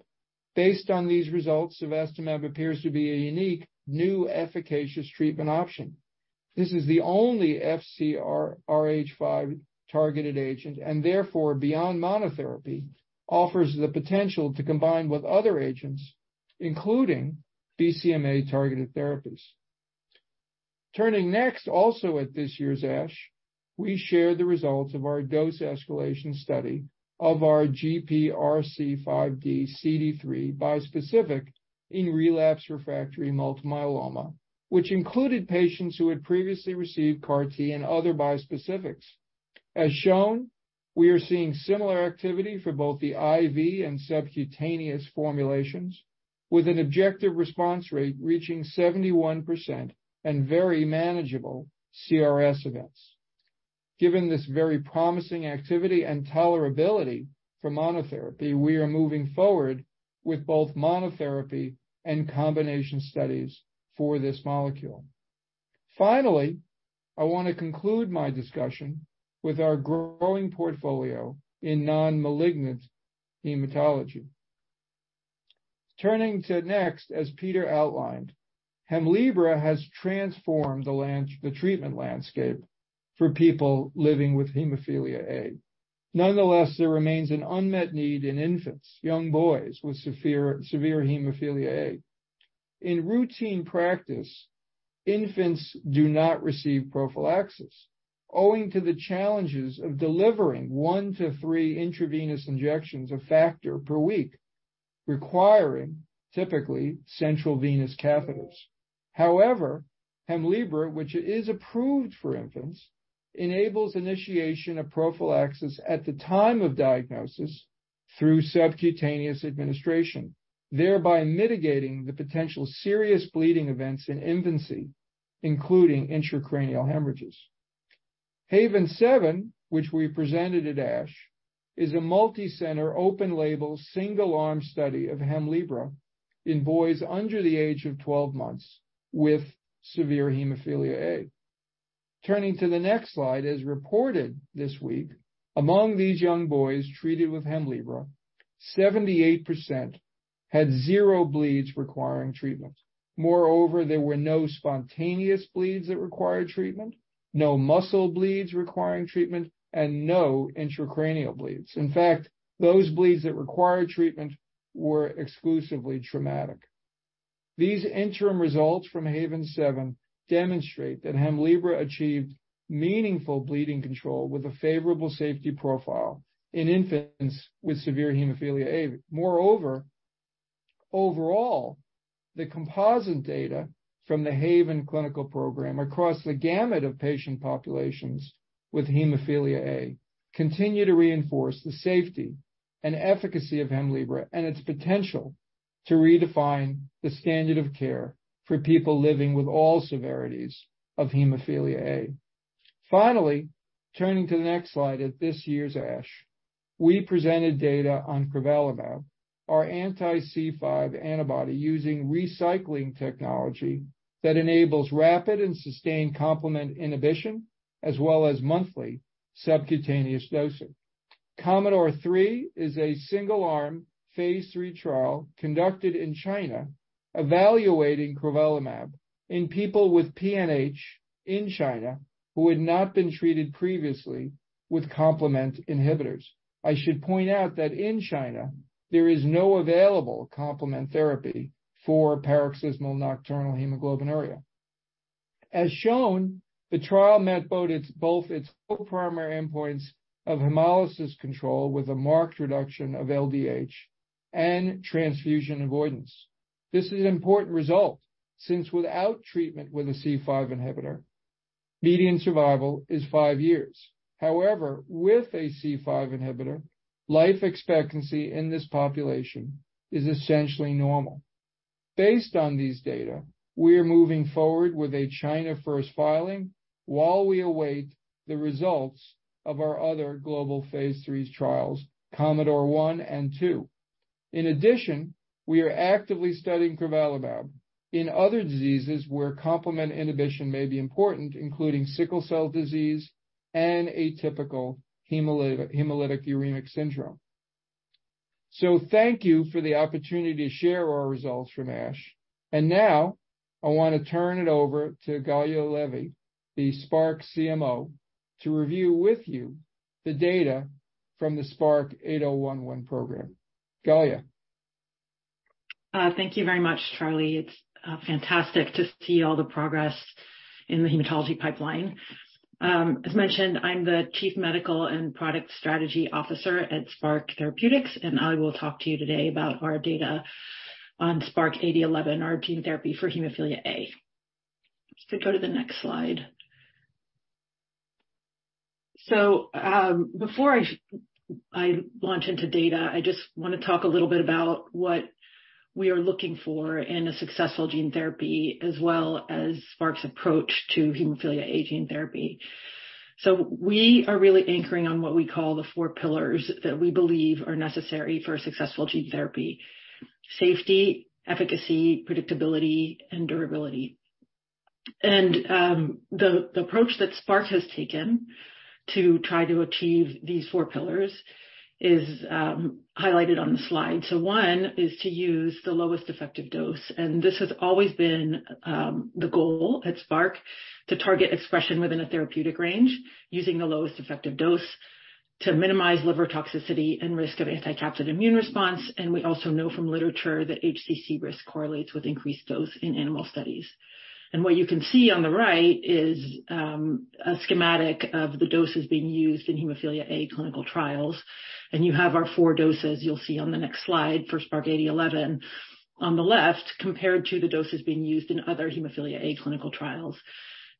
Based on these results, cevostamab appears to be a unique new efficacious treatment option. This is the only FcRH5 targeted agent and therefore, beyond monotherapy, offers the potential to combine with other agents, including BCMA-targeted therapies. Also at this year's ASH, we share the results of our dose escalation study of our GPRC5D CD3 bispecific in relapsed refractory multiple myeloma, which included patients who had previously received CAR-T and other bispecifics. As shown, we are seeing similar activity for both the IV and subcutaneous formulations, with an objective response rate reaching 71% and very manageable CRS events. Given this very promising activity and tolerability for monotherapy, we are moving forward with both monotherapy and combination studies for this molecule. Finally, I want to conclude my discussion with our growing portfolio in non-malignant hematology. As Peter outlined, Hemlibra has transformed the treatment landscape for people living with hemophilia A. There remains an unmet need in infants, young boys with severe hemophilia A. In routine practice, infants do not receive prophylaxis owing to the challenges of delivering one to three intravenous injections of factor per week, requiring typically central venous catheters. However, Hemlibra, which is approved for infants, enables initiation of prophylaxis at the time of diagnosis through subcutaneous administration, thereby mitigating the potential serious bleeding events in infancy, including intracranial hemorrhages. HAVEN 7, which we presented at ASH, is a multicenter open label, single-arm study of Hemlibra in boys under the age of 12 months with severe hemophilia A. Turning to the next slide, as reported this week, among these young boys treated with Hemlibra, 78% had zero bleeds requiring treatment. There were no spontaneous bleeds that required treatment, no muscle bleeds requiring treatment, and no intracranial bleeds. Those bleeds that required treatment were exclusively traumatic. These interim results from HAVEN 7 demonstrate that Hemlibra achieved meaningful bleeding control with a favorable safety profile in infants with severe hemophilia A. Moreover, overall, the composite data from the HAVEN clinical program across the gamut of patient populations with hemophilia A continue to reinforce the safety and efficacy of Hemlibra and its potential to redefine the standard of care for people living with all severities of hemophilia A. Finally, turning to the next slide, at this year's ASH, we presented data on crovalimab, our anti-C5 antibody, using recycling technology that enables rapid and sustained complement inhibition as well as monthly subcutaneous dosing. COMMODORE 3 is a single-arm phase III trial conducted in China evaluating crovalimab in people with PNH in China who had not been treated previously with complement inhibitors. I should point out that in China there is no available complement therapy for paroxysmal nocturnal hemoglobinuria. As shown, the trial met both its co-primary endpoints of hemolysis control with a marked reduction of LDH and transfusion avoidance. This is an important result since without treatment with a C5 inhibitor, median survival is five years. With a C5 inhibitor, life expectancy in this population is essentially normal. Based on these data, we are moving forward with a China first filing while we await the results of our other global phase III trials, COMMODORE 1 and 2. We are actively studying crovalimab in other diseases where complement inhibition may be important, including sickle cell disease and atypical hemolytic uremic syndrome. Thank you for the opportunity to share our results from ASH. Now I want to turn it over to Gallia Levy, the Spark CMO, to review with you the data from the SPK-8011 program. Gallia? Thank you very much, Charlie. It's fantastic to see all the progress in the hematology pipeline. As mentioned, I'm the Chief Medical and Product Strategy Officer at Spark Therapeutics, and I will talk to you today about our data on SPARK 8011, our gene therapy for hemophilia A. If we go to the next slide. Before I launch into data, I just wanna talk a little bit about what we are looking for in a successful gene therapy, as well as Spark's approach to hemophilia A gene therapy. We are really anchoring on what we call the four pillars that we believe are necessary for a successful gene therapy. Safety, efficacy, predictability, and durability. The approach that Spark has taken to try to achieve these four pillars is highlighted on the slide. One is to use the lowest effective dose. This has always been the goal at Spark to target expression within a therapeutic range using the lowest effective dose to minimize liver toxicity and risk of anti-capsid immune response. We also know from literature that HCC risk correlates with increased dose in animal studies. What you can see on the right is a schematic of the doses being used in hemophilia A clinical trials. You have our four doses you'll see on the next slide for Spark SPK-8011 on the left compared to the doses being used in other hemophilia A clinical trials.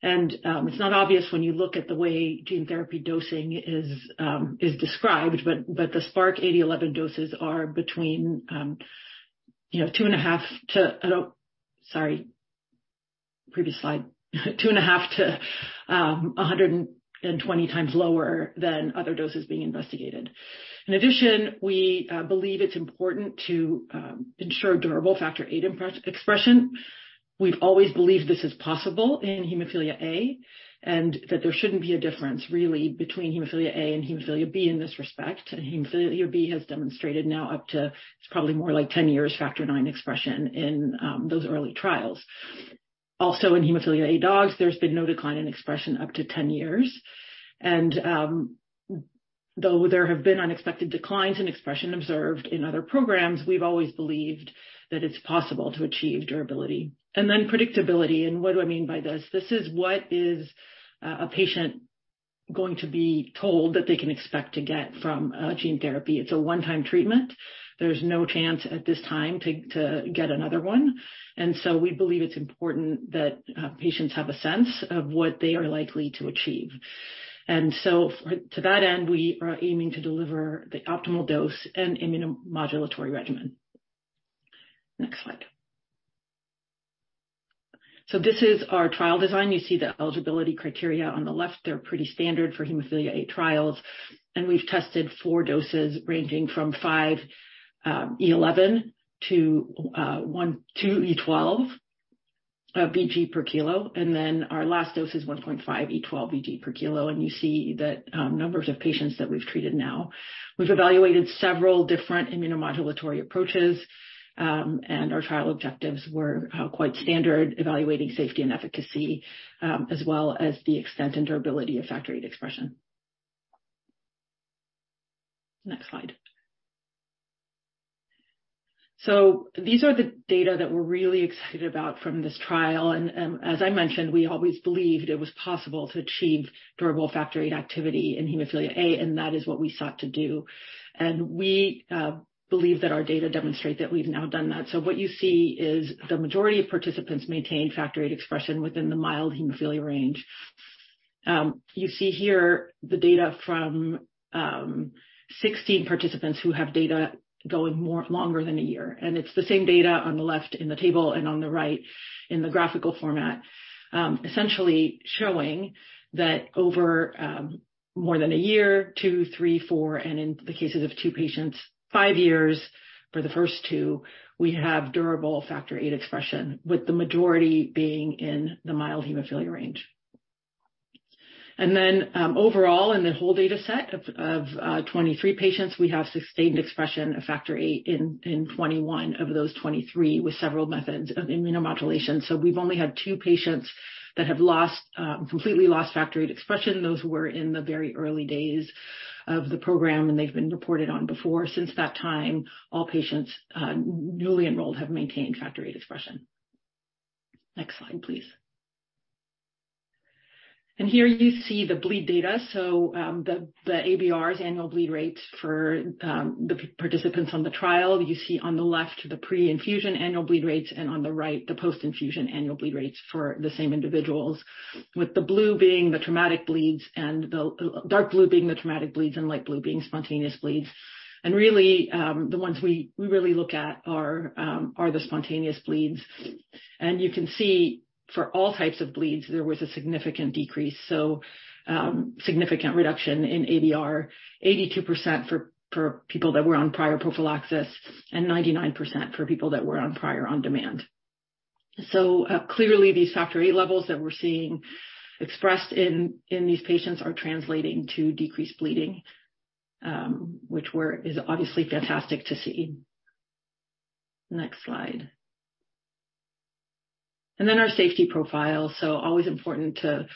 It's not obvious when you look at the way gene therapy dosing is described, but the Spark AD11 doses are between, you know, 2.5 to... Oh, sorry. Previous slide. 2.5 to 120x lower than other doses being investigated. In addition, we believe it's important to ensure durable factor VIII expression. We've always believed this is possible in hemophilia A, that there shouldn't be a difference really between hemophilia A and hemophilia B in this respect. Hemophilia B has demonstrated now up to probably more like 10 years factor nine expression in those early trials. Also in hemophilia A dogs, there's been no decline in expression up to 10 years. Though there have been unexpected declines in expression observed in other programs, we've always believed that it's possible to achieve durability. Then predictability, and what do I mean by this? This is what is a patient going to be told that they can expect to get from a gene therapy. It's a one-time treatment. There's no chance at this time to get another one. We believe it's important that patients have a sense of what they are likely to achieve. To that end, we are aiming to deliver the optimal dose and immunomodulatory regimen. Next slide. This is our trial design. You see the eligibility criteria on the left. They're pretty standard for hemophilia A trials, and we've tested four doses ranging from 5e11 to 2e12 vg per kilo. Our last dose is 1.5e12 vg per kilo. You see the numbers of patients that we've treated now. We've evaluated several different immunomodulatory approaches, our trial objectives were quite standard, evaluating safety and efficacy, as well as the extent and durability of factor VIII expression. Next slide. These are the data that we're really excited about from this trial. As I mentioned, we always believed it was possible to achieve durable factor VIII activity in hemophilia A, and that is what we sought to do. We believe that our data demonstrate that we've now done that. What you see is the majority of participants maintain factor VIII expression within the mild hemophilia range. You see here the data from 16 participants who have data going more longer than a year. It's the same data on the left in the table and on the right in the graphical format, essentially showing that over more than one year, two, three, four, and in the cases of two patients, five years for the first two, we have durable factor VIII expression, with the majority being in the mild hemophilia range. Then, overall, in the whole data set of 23 patients, we have sustained expression of factor VIII in 21 of those 23 with several methods of immunomodulation. We've only had two patients that have lost completely lost factor VIII expression. Those were in the very early days of the program, and they've been reported on before. Since that time, all patients newly enrolled have maintained factor VIII expression. Next slide, please. Here you see the bleed data. The ABRs, annual bleed rates for the participants on the trial. You see on the left, the pre-infusion annual bleed rates, and on the right, the post-infusion annual bleed rates for the same individuals. With the blue being the traumatic bleeds, and the dark blue being the traumatic bleeds and light blue being spontaneous bleeds. Really, the ones we really look at are the spontaneous bleeds. You can see for all types of bleeds, there was a significant decrease. Significant reduction in ABR, 82% for people that were on prior prophylaxis and 99% for people that were on prior on demand. Clearly these factor VIII levels that we're seeing expressed in these patients are translating to decreased bleeding, which is obviously fantastic to see. Next slide. Our safety profile. Always important to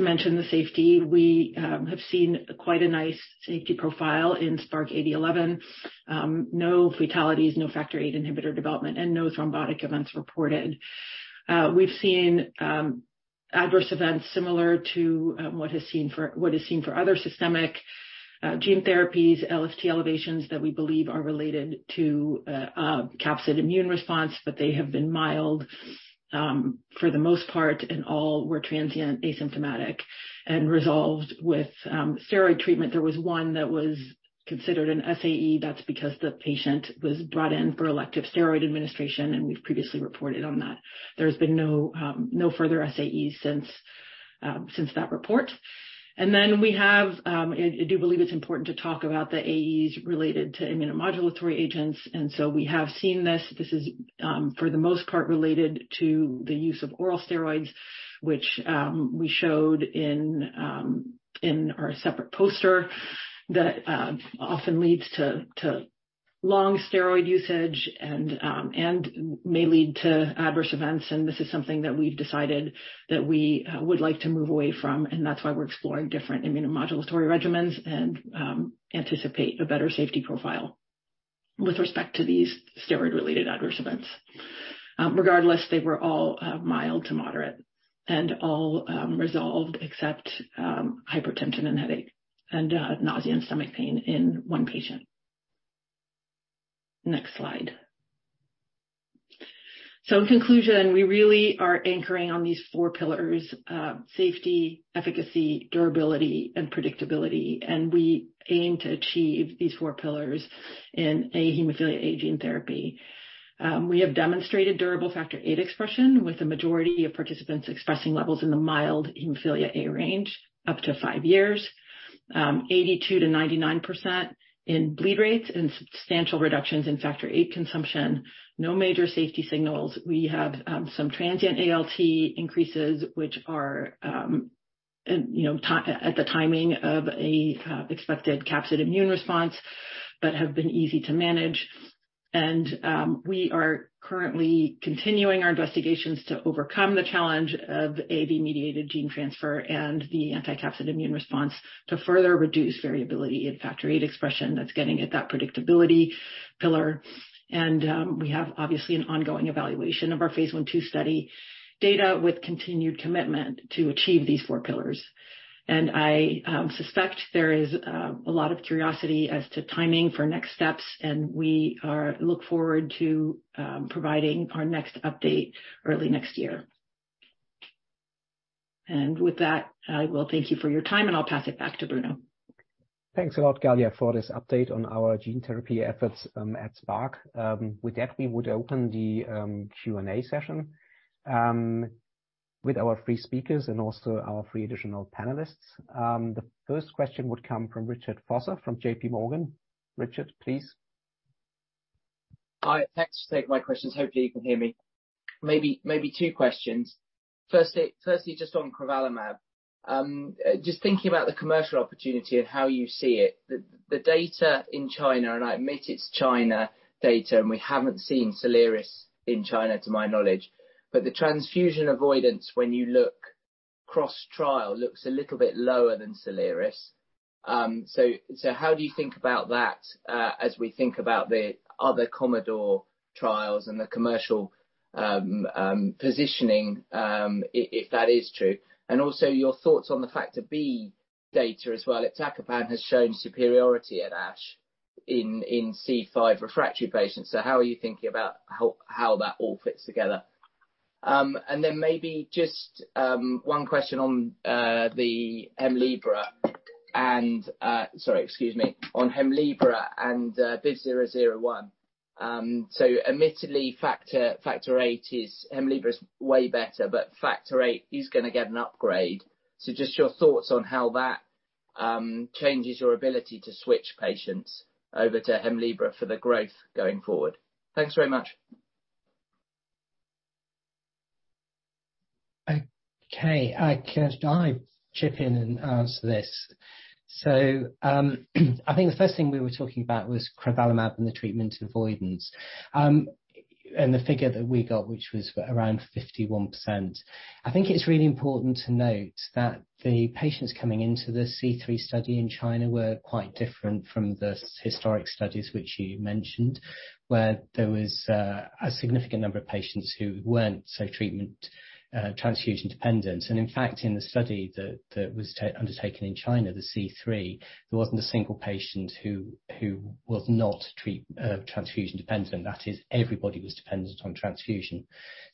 mention the safety. We have seen quite a nice safety profile in Spark AD11. No fatalities, no factor VIII inhibitor development, and no thrombotic events reported. We've seen adverse events similar to what is seen for other systemic gene therapies, LFT elevations that we believe are related to a capsid immune response. They have been mild for the most part, and all were transient, asymptomatic, and resolved with steroid treatment. There was one that was considered an SAE. That's because the patient was brought in for elective steroid administration, and we've previously reported on that. There's been no further SAEs since that report. I do believe it's important to talk about the AEs related to immunomodulatory agents. We have seen this. This is for the most part related to the use of oral steroids, which we showed in our separate poster that often leads to long steroid usage and may lead to adverse events. This is something that we've decided that we would like to move away from, and that's why we're exploring different immunomodulatory regimens and anticipate a better safety profile with respect to these steroid-related adverse events. Regardless, they were all mild to moderate and all resolved except hypertension and headache and nausea and stomach pain in one patient. Next slide. In conclusion, we really are anchoring on these four pillars: safety, efficacy, durability and predictability. We aim to achieve these four pillars in a hemophilia A gene therapy. We have demonstrated durable factor VIII expression with the majority of participants expressing levels in the mild hemophilia A range up to five years. 82%-99% in bleed rates and substantial reductions in factor VIII consumption. No major safety signals. We have some transient ALT increases which are, you know, at the timing of a expected capsid immune response but have been easy to manage. We are currently continuing our investigations to overcome the challenge of AAV-mediated gene transfer and the anti-capsid immune response to further reduce variability in factor VIII expression that's getting at that predictability pillar. We have obviously an ongoing evaluation of our phase I/II study data with continued commitment to achieve these four pillars. I suspect there is a lot of curiosity as to timing for next steps, we look forward to providing our next update early next year. With that, I will thank you for your time, I'll pass it back to Bruno. Thanks a lot, Gallia, for this update on our gene therapy efforts at Spark. With that, we would open the Q&A session with our three speakers and also our three additional panelists. The first question would come from Richard Vosser from JPMorgan. Richard, please. Hi. Thanks for taking my questions. Hopefully you can hear me. Maybe two questions. Firstly, just on crovalimab. Just thinking about the commercial opportunity and how you see it. The data in China, and I admit it's China data, and we haven't seen Soliris in China, to my knowledge. The transfusion avoidance, when you look cross-trial, looks a little bit lower than Soliris. How do you think about that as we think about the other COMMODORE trials and the commercial positioning if that is true? Also your thoughts on the factor B data as well. Iptacopan has shown superiority at ASH in C5 refractory patients, so how are you thinking about how that all fits together? Then maybe just 1 question on the Hemlibra and... Sorry, excuse me. On Hemlibra and, BIVV001. Admittedly Hemlibra is way better, but factor VIII is gonna get an upgrade. Just your thoughts on how that changes your ability to switch patients over to Hemlibra for the growth going forward. Thanks very much. Okay. I chip in and answer this. I think the first thing we were talking about was crovalimab and the treatment avoidance, and the figure that we got, which was around 51%. I think it's really important to note that the patients coming into the C3 study in China were quite different from the historic studies which you mentioned, where there was a significant number of patients who weren't so treatment, transfusion dependent. In fact, in the study that was undertaken in China, the C3, there wasn't a single patient who was not treatment, transfusion dependent. That is, everybody was dependent on transfusion.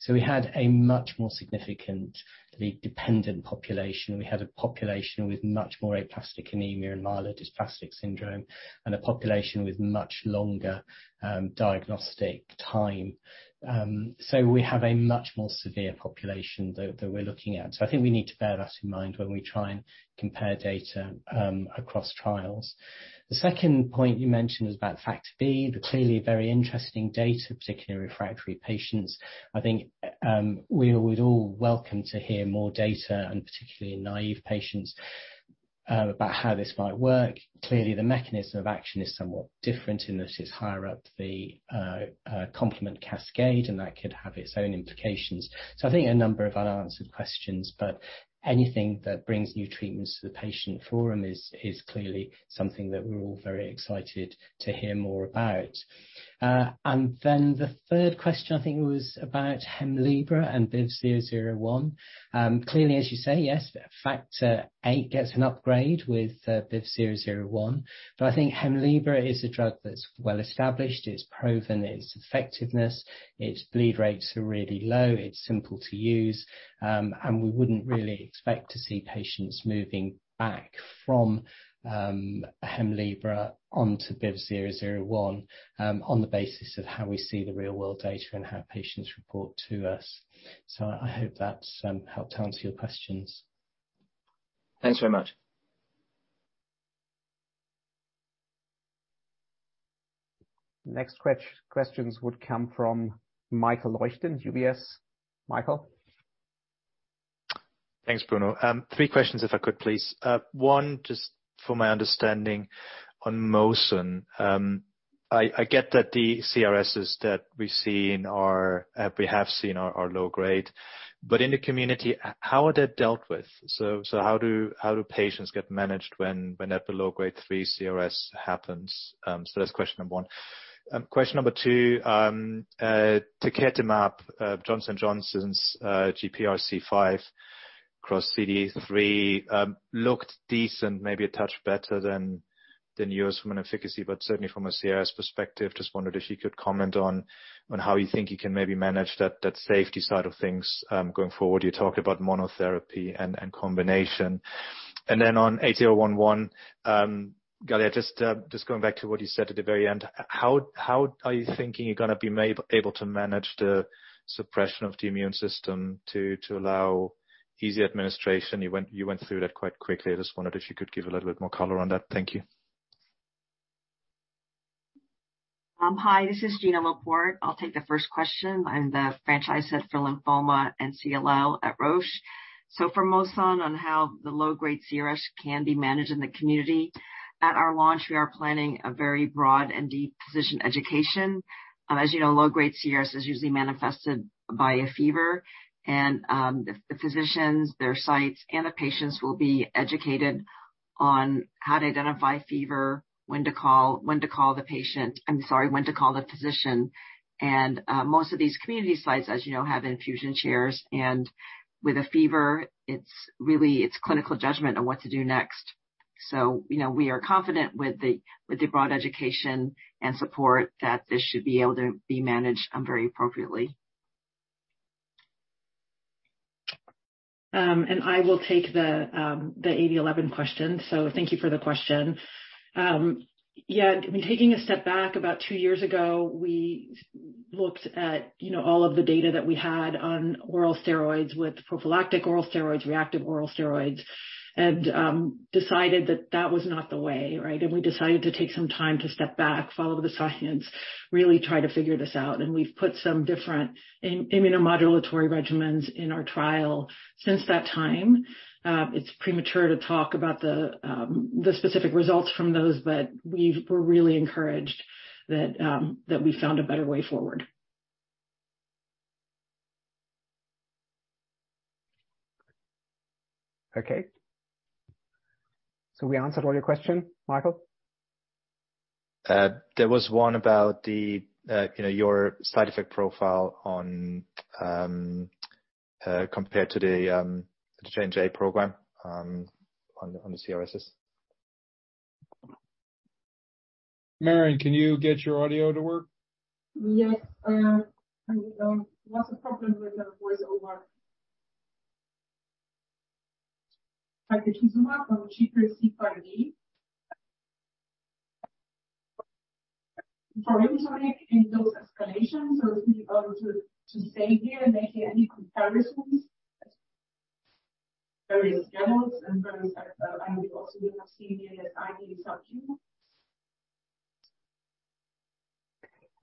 We had a much more significantly dependent population. We had a population with much more aplastic anemia and myelodysplastic syndrome and a population with much longer diagnostic time. We have a much more severe population that we're looking at. I think we need to bear that in mind when we try and compare data across trials. The second point you mentioned is about factor B. They're clearly very interesting data, particularly refractory patients. I think we would all welcome to hear more data and particularly in naive patients about how this might work. Clearly the mechanism of action is somewhat different in that it's higher up the complement cascade and that could have its own implications. I think a number of unanswered questions, but anything that brings new treatments to the patient forum is clearly something that we're all very excited to hear more about. The third question I think was about Hemlibra and BIVV001. Clearly, as you say, yes, factor VIII gets an upgrade with BIVV001. I think Hemlibra is a drug that's well established. It's proven its effectiveness. Its bleed rates are really low. It's simple to use. We wouldn't really expect to see patients moving back from Hemlibra onto BIVV001 on the basis of how we see the real world data and how patients report to us. I hope that's helped answer your questions. Thanks very much. Next questions would come from Michael Leuchten, UBS. Michael. Thanks, Bruno. Three questions if I could, please. One, just for my understanding on Mosun. I get that the CRSs that we've seen are, we have seen are low grade, but in the community, how are they dealt with? How do patients get managed when epilogue three CRS happens? That's question number one. Question number two. Talquetamab, Johnson & Johnson's GPRC5 x CD3, looked decent, maybe a touch better than yours from an efficacy, but certainly from a CRS perspective. Just wondered if you could comment on how you think you can maybe manage that safety side of things going forward. You talked about monotherapy and combination. On 8011, Gallia, just going back to what you said at the very end. How are you thinking you're gonna be able to manage the suppression of the immune system to allow easy administration? You went through that quite quickly. I just wondered if you could give a little bit more color on that. Thank you. Hi, this is Ginna Laport. I'll take the first question. I'm the franchise head for lymphoma and CLL at Roche. For Mosun, on how the low-grade CRS can be managed in the community, at our launch, we are planning a very broad and deep physician education. As you know, low-grade CRS is usually manifested by a fever and the physicians, their sites and the patients will be educated on how to identify fever, when to call the patient. I'm sorry, when to call the physician. Most of these community sites, as you know, have infusion chairs, and with a fever, it's really, it's clinical judgment on what to do next. You know, we are confident with the broad education and support that this should be able to be managed very appropriately. I will take the AD11 question, so thank you for the question. Yeah, I mean, taking a step back about two years ago, we looked at, you know, all of the data that we had on oral steroids with prophylactic oral steroids, reactive oral steroids, and decided that that was not the way, right? We decided to take some time to step back, follow the science, really try to figure this out. We've put some different immunomodulatory regimens in our trial since that time. It's premature to talk about the specific results from those, but we're really encouraged that we found a better way forward. We answered all your question, Michael? There was one about the, you know, your side effect profile on compared to the change J program on the CRS. Marion, can you get your audio to work? Yes. I'm lots of problems with the voiceover. Dr. Kusuma from GPRC5D. For inventory in those escalations, are we able to say here, making any comparisons, various demos and we also will have GPRC5D sub-q.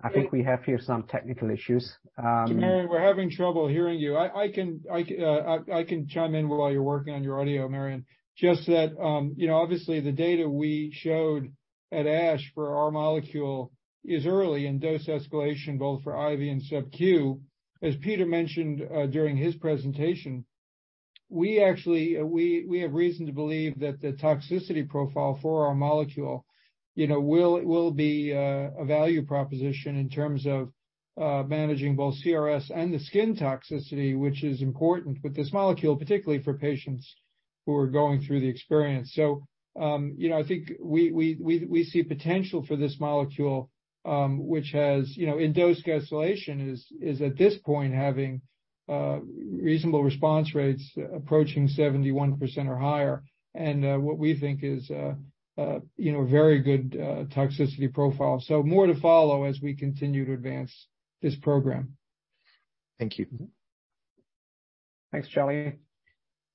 I think we have here some technical issues. Marion, we're having trouble hearing you. I can chime in while you're working on your audio, Marion. Just that, you know, obviously the data we showed at ASH for our molecule is early in dose escalation, both for IV and sub-q. As Peter mentioned, during his presentation, we actually have reason to believe that the toxicity profile for our molecule, you know, will be a value proposition in terms of managing both CRS and the skin toxicity, which is important with this molecule, particularly for patients who are going through the experience. You know, I think we see potential for this molecule, which has, you know, in dose cancellation is at this point having reasonable response rates approaching 71% or higher. What we think is, you know, very good, toxicity profile. More to follow as we continue to advance this program. Thank you. Thanks, Charlie.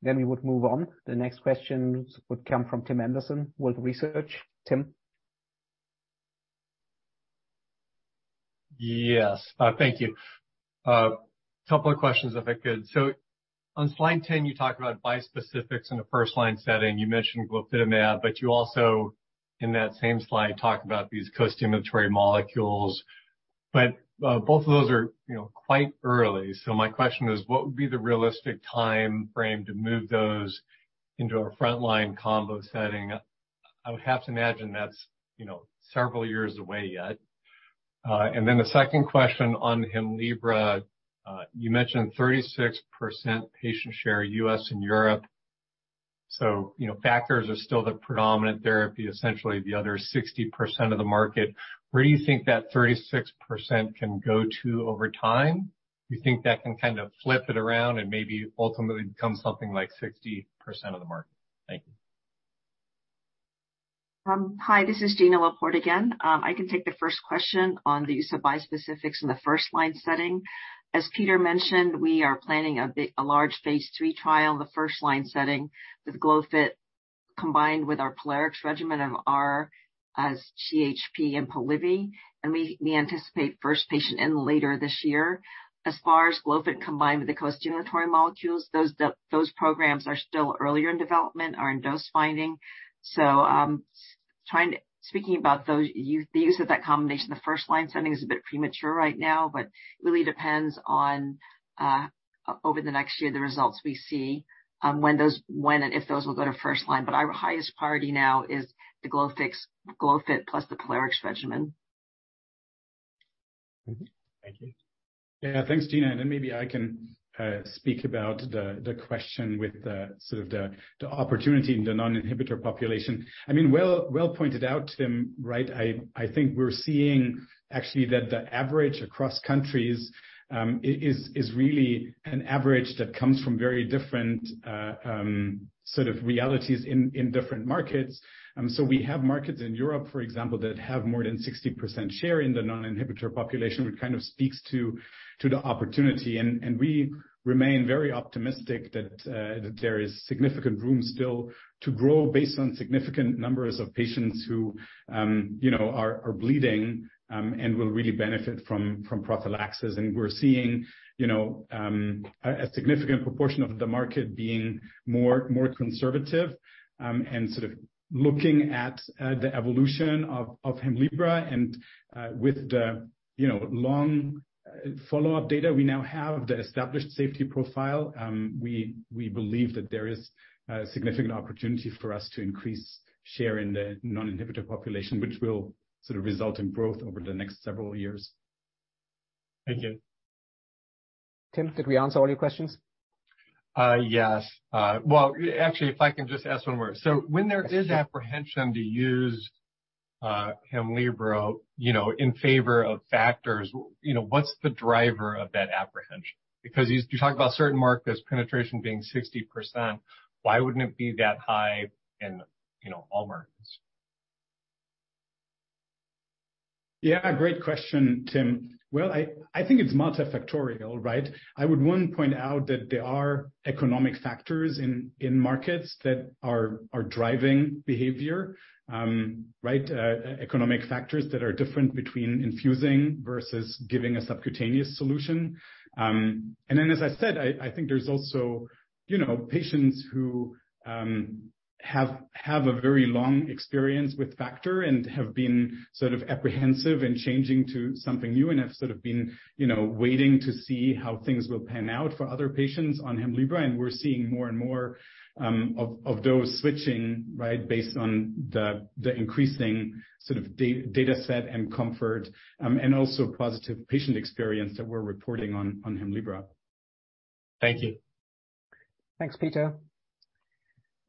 We would move on. The next questions would come from Tim Anderson with research. Tim. Yes. Thank you. A couple of questions, if I could. On slide 10, you talk about bispecifics in a first-line setting. You mentioned glofitamab, but you also, in that same slide, talk about these costimulatory molecules. Both of those are, you know, quite early. My question is, what would be the realistic timeframe to move those into a frontline combo setting? I would have to imagine that's, you know, several years away yet. The second question on Hemlibra. You mentioned 36% patient share U.S. and Europe, so, you know, factors are still the predominant therapy, essentially the other 60% of the market. Where do you think that 36% can go to over time? Do you think that can, kind of, flip it around and maybe ultimately become something like 60% of the market? Thank you. Hi, this is Ginna Laport again. I can take the first question on the use of bispecifics in the first line setting. As Peter mentioned, we are planning a large phase III trial in the first line setting with Glofit combined with our POLARIX regimen of R-CHP and Polivy, and we anticipate first patient in later this year. As far as Glofit combined with the costimulatory molecules, those programs are still earlier in development, are in dose finding. speaking about those, the use of that combination in the first line setting is a bit premature right now, really depends on over the next year, the results we see when those, when and if those will go to first line. Our highest priority now is the Glofit plus the POLARIX regimen. Thank you. Yeah, thanks, Ginna. Maybe I can speak about the question with the sort of the opportunity in the non-inhibitor population. I mean, well pointed out, Tim, right? I think we're seeing actually that the average across countries is really an average that comes from very different sort of realities in different markets. We have markets in Europe, for example, that have more than 60% share in the non-inhibitor population, which kind of speaks to the opportunity. We remain very optimistic that there is significant room still to grow based on significant numbers of patients who, you know, are bleeding and will really benefit from prophylaxis. We're seeing, you know, a significant proportion of the market being more, more conservative, and sort of looking at the evolution of Hemlibra and with the, you know, long follow-up data, we now have the established safety profile. We believe that there is a significant opportunity for us to increase share in the non-inhibitor population, which will sort of result in growth over the next several years. Thank you. Tim, did we answer all your questions? Yes. Well, actually, if I can just ask one more. When there is apprehension to use Hemlibra, you know, in favor of factors, you know, what's the driver of that apprehension? You talk about certain markets, penetration being 60%, why wouldn't it be that high in, you know, all markets? Yeah, great question, Tim. Well, I think it's multifactorial, right? I would, one, point out that there are economic factors in markets that are driving behavior, right? Economic factors that are different between infusing versus giving a subcutaneous solution. Then as I said, I think there's also, you know, patients who have a very long experience with factor and have been sort of apprehensive in changing to something new and have sort of been, you know, waiting to see how things will pan out for other patients on Hemlibra. We're seeing more and more of those switching, right, based on the increasing sort of data set and comfort, and also positive patient experience that we're reporting on Hemlibra. Thank you. Thanks, Peter.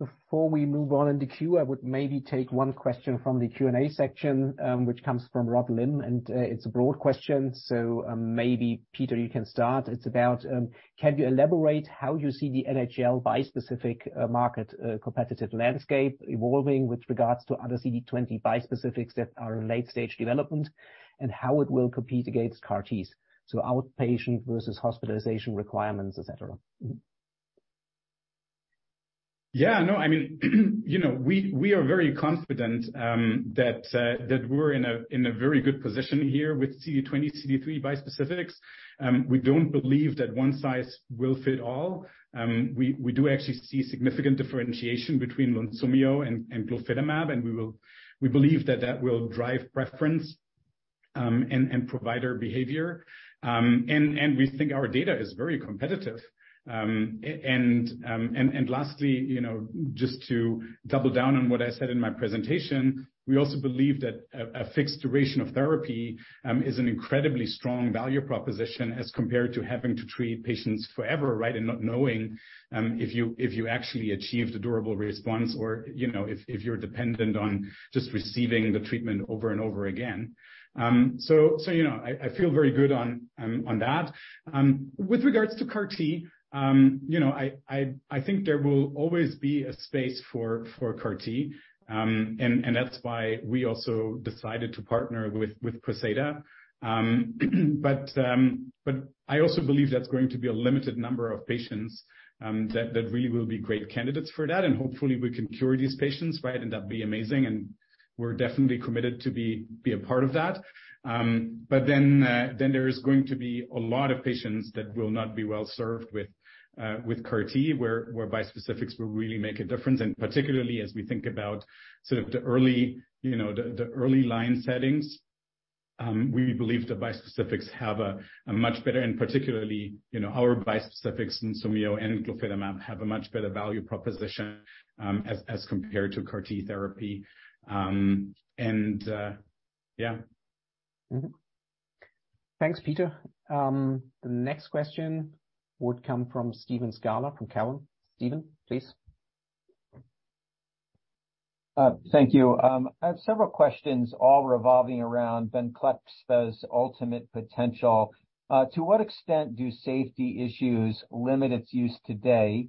Before we move on in the queue, I would maybe take one question from the Q&A section, which comes from Rob Lim. It's a broad question, so maybe Peter, you can start. It's about, can you elaborate how you see the NHL bispecific market competitive landscape evolving with regards to other CD20 bispecifics that are in late-stage development and how it will compete against CAR-Ts, so outpatient versus hospitalization requirements, et cetera? Yeah, no, I mean, you know, we are very confident that we're in a very good position here with CD20/CD3 bispecifics. We don't believe that one size will fit all. We do actually see significant differentiation between Lunsumio and glofitamab, and we believe that that will drive preference and provider behavior. Lastly, you know, just to double down on what I said in my presentation, we also believe that a fixed duration of therapy is an incredibly strong value proposition as compared to having to treat patients forever, right, and not knowing if you actually achieved a durable response or, you know, if you're dependent on just receiving the treatment over and over again. You know, I feel very good on that. With regards to CAR-T, you know, I think there will always be a space for CAR-T. That's why we also decided to partner with Poseida. I also believe that's going to be a limited number of patients that really will be great candidates for that. Hopefully we can cure these patients, right, and that'd be amazing, and we're definitely committed to be a part of that. Then there is going to be a lot of patients that will not be well served with CAR-T, where bispecifics will really make a difference. Particularly as we think about sort of the early, you know, the early line settings, we believe that bispecifics have a much better, and particularly, you know, our bispecifics, Lunsumio and glofitamab, have a much better value proposition, as compared to CAR-T therapy. Mm-hmm. Thanks, Peter. The next question would come from Steven Scala from Cowen. Steven, please. Thank you. I have several questions all revolving around Venclexta's ultimate potential. To what extent do safety issues limit its use today?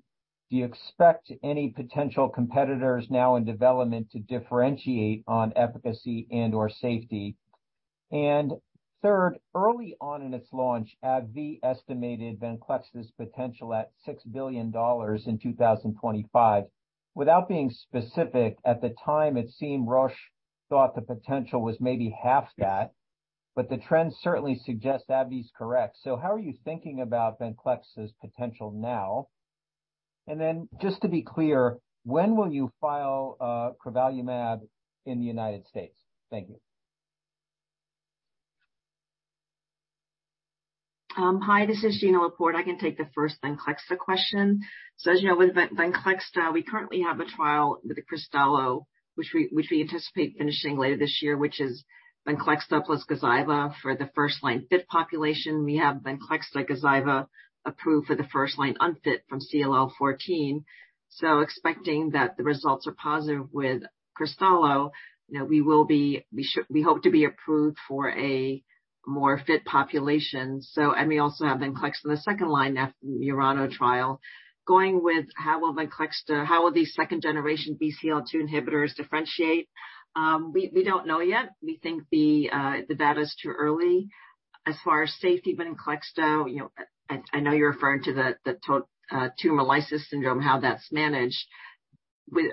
Do you expect any potential competitors now in development to differentiate on efficacy and/or safety? Third, early on in its launch, AbbVie estimated Venclexta's potential at $6 billion in 2025. Without being specific, at the time, it seemed Roche thought the potential was maybe half that, but the trend certainly suggests AbbVie's correct. How are you thinking about Venclexta's potential now? Just to be clear, when will you file crovalimab in the United States? Thank you. Hi, this is Ginna Laport. I can take the first Venclexta question. As you know, with Venclexta, we currently have a trial with the CRISTALLO, which we anticipate finishing later this year, which is Venclexta plus Gazyva for the first-line fit population. We have Venclexta/Gazyva approved for the first-line unfit from CLL14. Expecting that the results are positive with CRISTALLO, you know, we will be, we hope to be approved for a more fit population. We also have Venclexta in the second line after the MURANO trial. Going with how will Venclexta, how will these second-generation BCL-2 inhibitors differentiate? We don't know yet. We think the data's too early. As far as safety, Venclexta, you know, I know you're referring to the tumor lysis syndrome, how that's managed.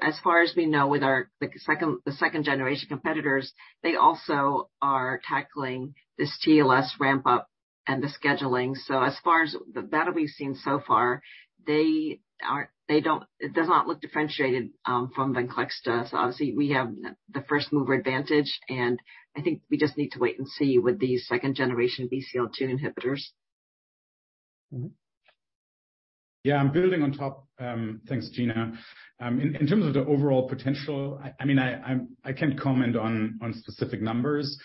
As far as we know with our, the second-generation competitors, they also are tackling this TLS ramp-up and the scheduling. As far as the data we've seen so far, it does not look differentiated from VENCLEXTA. Obviously we have the first-mover advantage, and I think we just need to wait and see with these second-generation BCL-2 inhibitors. Mm-hmm. Yeah, I'm building on top. Thanks, Ginna. In terms of the overall potential, I mean, I'm, I can't comment on specific numbers.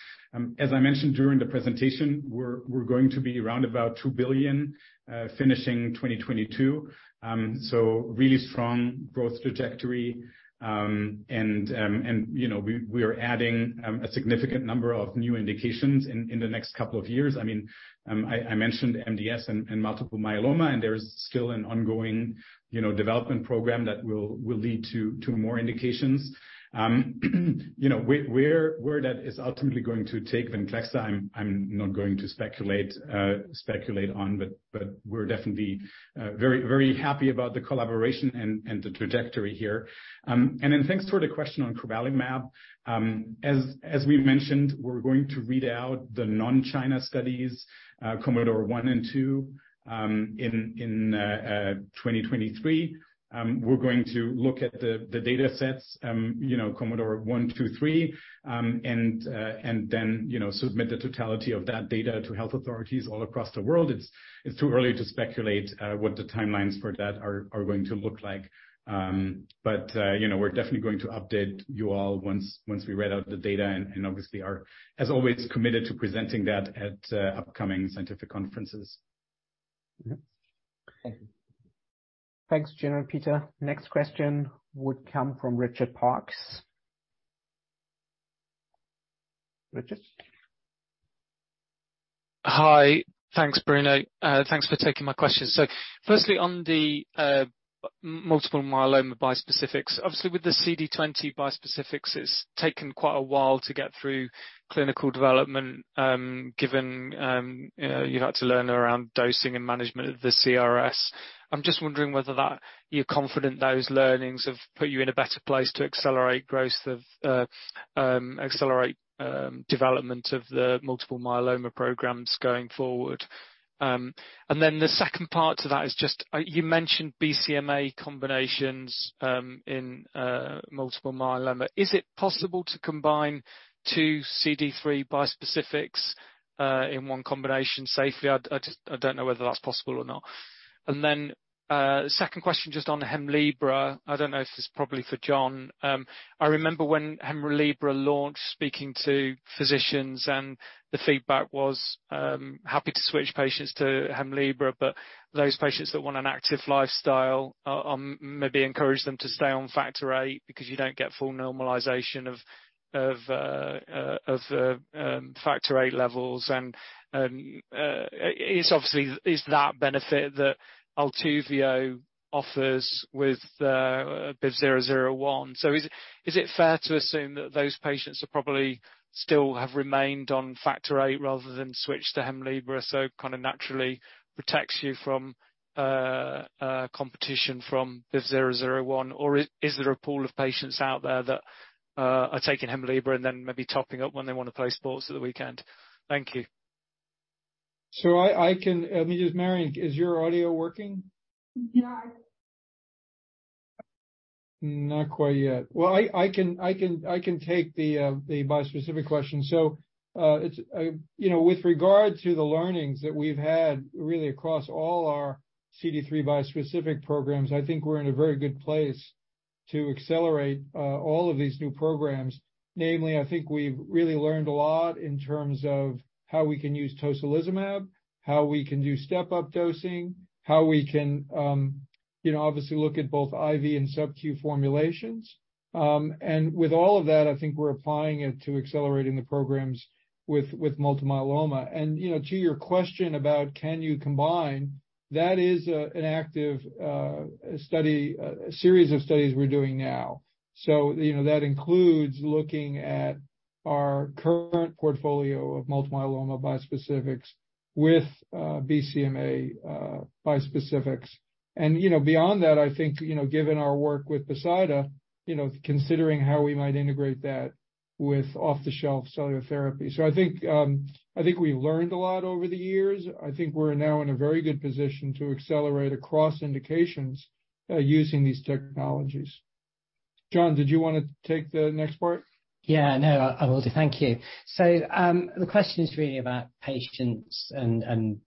As I mentioned during the presentation, we're going to be around about $2 billion finishing 2022. Really strong growth trajectory. You know, we are adding a significant number of new indications in the next couple of years. I mean, I mentioned MDS and multiple myeloma, and there is still an ongoing, you know, development program that will lead to more indications. You know, where that is ultimately going to take Venclexta, I'm not going to speculate on, but we're definitely very happy about the collaboration and the trajectory here. Thanks for the question on Crovalimab. As we mentioned, we're going to read out the non-China studies, COMMODORE 1 and 2 in 2023. We're going to look at the datasets, you know, COMMODORE 1, 2, 3, and then, you know, submit the totality of that data to health authorities all across the world. It's too early to speculate what the timelines for that are going to look like. You know, we're definitely going to update you all once we read out the data and obviously are, as always, committed to presenting that at upcoming scientific conferences. Mm-hmm. Thank you. Thanks, Ginna and Peter. Next question would come from Richard Parkes. Richard? Hi. Thanks, Bruno. Thanks for taking my question. Firstly, on the multiple myeloma bispecifics. Obviously with the CD20 bispecifics, it's taken quite a while to get through clinical development, given, you know, you've had to learn around dosing and management of the CRS. I'm just wondering whether that, you're confident those learnings have put you in a better place to accelerate growth of, accelerate development of the multiple myeloma programs going forward. The second part to that is just, you mentioned BCMA combinations in multiple myeloma. Is it possible to combine two CD3 bispecifics in one combination safely? I just, I don't know whether that's possible or not. Second question, just on Hemlibra. I don't know if this is probably for John. I remember when Hemlibra launched, speaking to physicians, and the feedback was happy to switch patients to Hemlibra, but those patients that want an active lifestyle, maybe encourage them to stay on factor VIII because you don't get full normalization of factor VIII levels and it's obviously, is that benefit that ALTUVIIIO offers with BIVV001. Is it fair to assume that those patients are probably still have remained on factor VIII rather than switch to Hemlibra, so kind of naturally protects you from competition from BIVV001? Is there a pool of patients out there that are taking Hemlibra and then maybe topping up when they want to play sports at the weekend? Thank you. I can. Let me just. Marion, is your audio working? Yeah. Not quite yet. Well, I can take the bispecific question. You know, with regard to the learnings that we've had really across all our CD3 bispecific programs, I think we're in a very good place to accelerate all of these new programs. Namely, I think we've really learned a lot in terms of how we can use tocilizumab, how we can do step-up dosing, how we can, you know, obviously look at both IV and sub-Q formulations. And with all of that, I think we're applying it to accelerating the programs with multiple myeloma. And, you know, to your question about can you combine, that is an active series of studies we're doing now. You know, that includes looking at our current portfolio of multiple myeloma bispecifics with BCMA bispecifics. you know, beyond that, I think, you know, given our work with Poseida, you know, considering how we might integrate that with off-the-shelf cellular therapy. I think, I think we learned a lot over the years. I think we're now in a very good position to accelerate across indications, using these technologies. John, did you want to take the next part? Yeah, no, I will do. Thank you. The question is really about patients and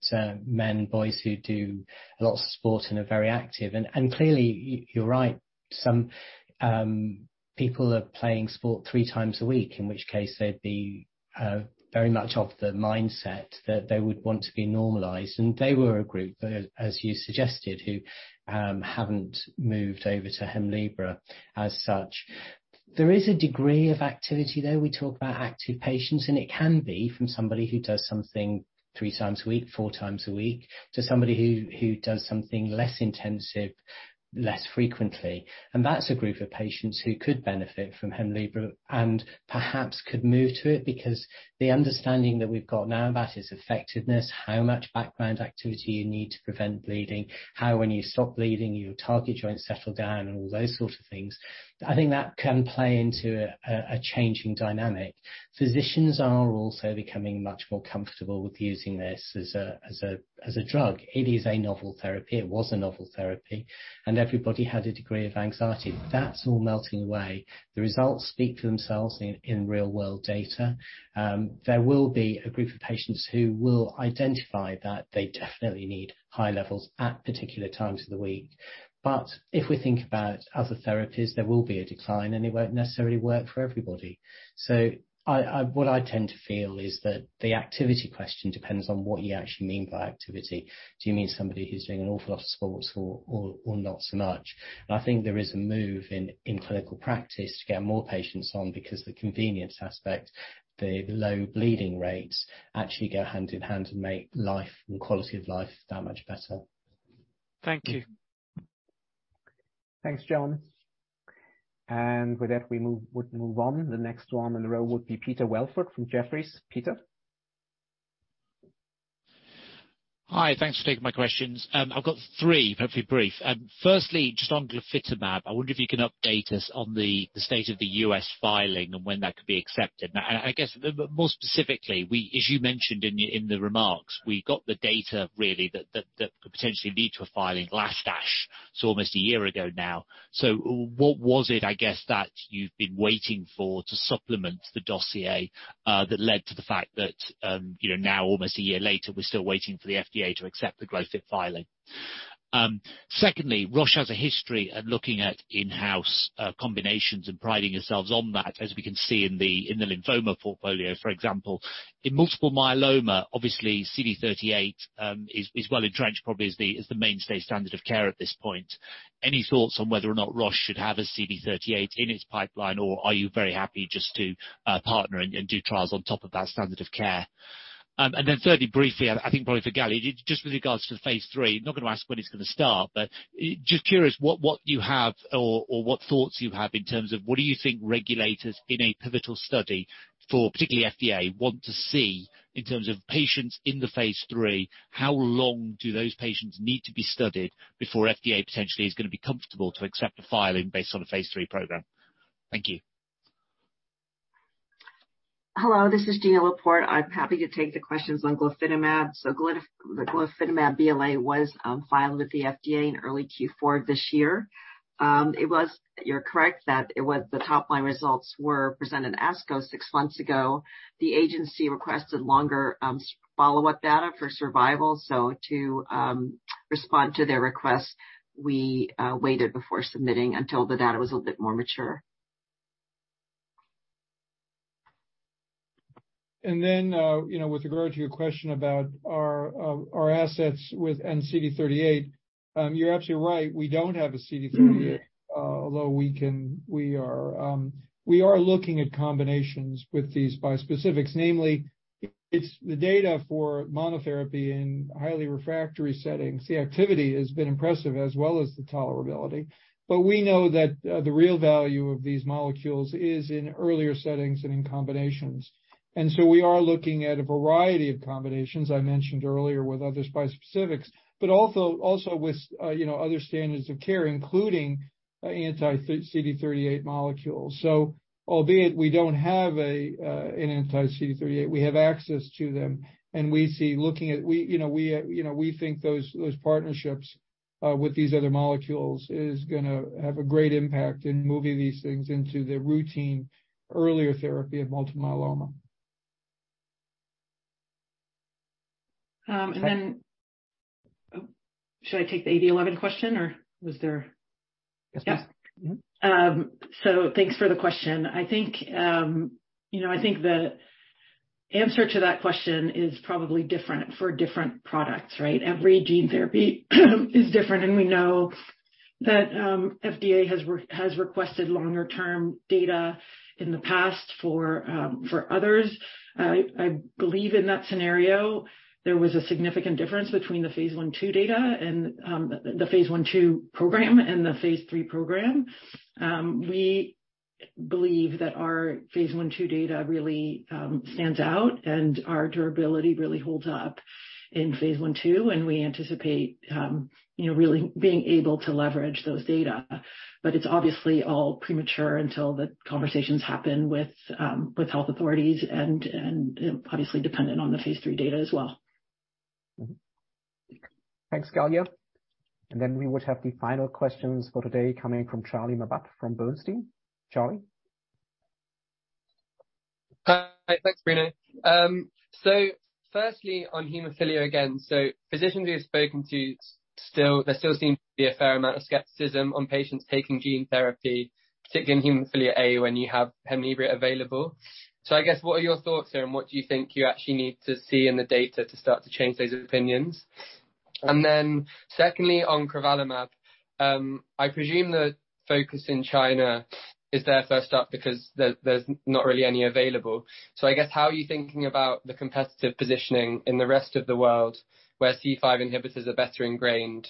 men, boys who do a lot of sport and are very active. Clearly you're right. Some people are playing sport three times a week, in which case they'd be very much of the mindset that they would want to be normalized. They were a group that, as you suggested, who haven't moved over to Hemlibra as such. There is a degree of activity there. We talk about active patients, and it can be from somebody who does something three times a week, four times a week, to somebody who does something less intensive, less frequently. That's a group of patients who could benefit from Hemlibra and perhaps could move to it because the understanding that we've got now about its effectiveness, how much background activity you need to prevent bleeding, how when you stop bleeding, your target joints settle down and all those sorts of things, I think that can play into a changing dynamic. Physicians are also becoming much more comfortable with using this as a drug. It is a novel therapy. It was a novel therapy, and everybody had a degree of anxiety. That's all melting away. The results speak for themselves in real world data. There will be a group of patients who will identify that they definitely need high levels at particular times of the week. If we think about other therapies, there will be a decline, and they won't necessarily work for everybody. What I tend to feel is that the activity question depends on what you actually mean by activity. Do you mean somebody who's doing an awful lot of sports or not so much? I think there is a move in clinical practice to get more patients on because the convenience aspect, the low bleeding rates actually go hand in hand to make life and quality of life that much better. Thank you. Thanks, John. With that, we move on. The next one in the row would be Peter Welford from Jefferies. Peter? Hi. Thanks for taking my questions. I've got three, hopefully brief. Firstly, just on glofitamab, I wonder if you can update us on the state of the U.S. filing and when that could be accepted. I guess more specifically, as you mentioned in the remarks, we got the data really that could potentially lead to a filing last ASH. It's almost one year ago now. What was it, I guess, that you've been waiting for to supplement the dossier that led to the fact that, you know, now almost one year later, we're still waiting for the FDA to accept the glofitamab filing. Secondly, Roche has a history of looking at in-house combinations and priding yourselves on that, as we can see in the lymphoma portfolio, for example. In multiple myeloma, obviously CD38 is well-entrenched, probably is the mainstay standard of care at this point. Any thoughts on whether or not Roche should have a CD38 in its pipeline, or are you very happy just to partner and do trials on top of that standard of care? Thirdly, briefly, I think probably for Galli, just with regards to phase III, I'm not going to ask when it's going to start, but just curious what you have or what thoughts you have in terms of what do you think regulators in a pivotal study for particularly FDA want to see in terms of patients in the phase III, how long do those patients need to be studied before FDA potentially is going to be comfortable to accept a filing based on a phase III program? Thank you. Hello, this is Ginna Laport. I'm happy to take the questions on glofitamab. The glofitamab BLA was filed with the FDA in early Q4 this year. You're correct that it was the top-line results were presented ASCO six months ago. The agency requested longer follow-up data for survival. To respond to their request, we waited before submitting until the data was a little bit more mature. you know, with regard to your question about our assets with CD38, you're absolutely right. We don't have a CD38, although we are looking at combinations with these bispecifics. Namely, it's the data for monotherapy in highly refractory settings. The activity has been impressive as well as the tolerability. We know that the real value of these molecules is in earlier settings and in combinations. We are looking at a variety of combinations I mentioned earlier with other bispecifics, but also with, you know, other standards of care, including anti-CD38 molecules. Albeit we don't have an anti-CD38, we have access to them. We see looking at we, you know, we think those partnerships, with these other molecules is gonna have a great impact in moving these things into the routine earlier therapy of multiple myeloma. Should I take the AD11 question? Yes, please. Mm-hmm. Yeah. Thanks for the question. I think, you know, I think the answer to that question is probably different for different products, right? Every gene therapy is different, we know that FDA has requested longer-term data in the past for others. I believe in that scenario, there was a significant difference between the phase I/II data and the phase I/II program and the phase III program. We believe that our phase I/II data really stands out, our durability really holds up in phase I/II, we anticipate, you know, really being able to leverage those data. It's obviously all premature until the conversations happen with health authorities and, you know, obviously dependent on the phase III data as well. Mm-hmm. Thanks, Gallia. Then we would have the final questions for today coming from Charlie Mabbutt from Bernstein. Charlie. Hi. Thanks, Bruno. Firstly, on hemophilia again. Physicians we've spoken to there still seem to be a fair amount of skepticism on patients taking gene therapy, particularly in hemophilia A, when you have Hemlibra available. I guess, what are your thoughts there, and what do you think you actually need to see in the data to start to change those opinions? Secondly, on crovalimab, I presume the focus in China is there first up because there's not really any available. I guess, how are you thinking about the competitive positioning in the rest of the world where C5 inhibitors are better ingrained,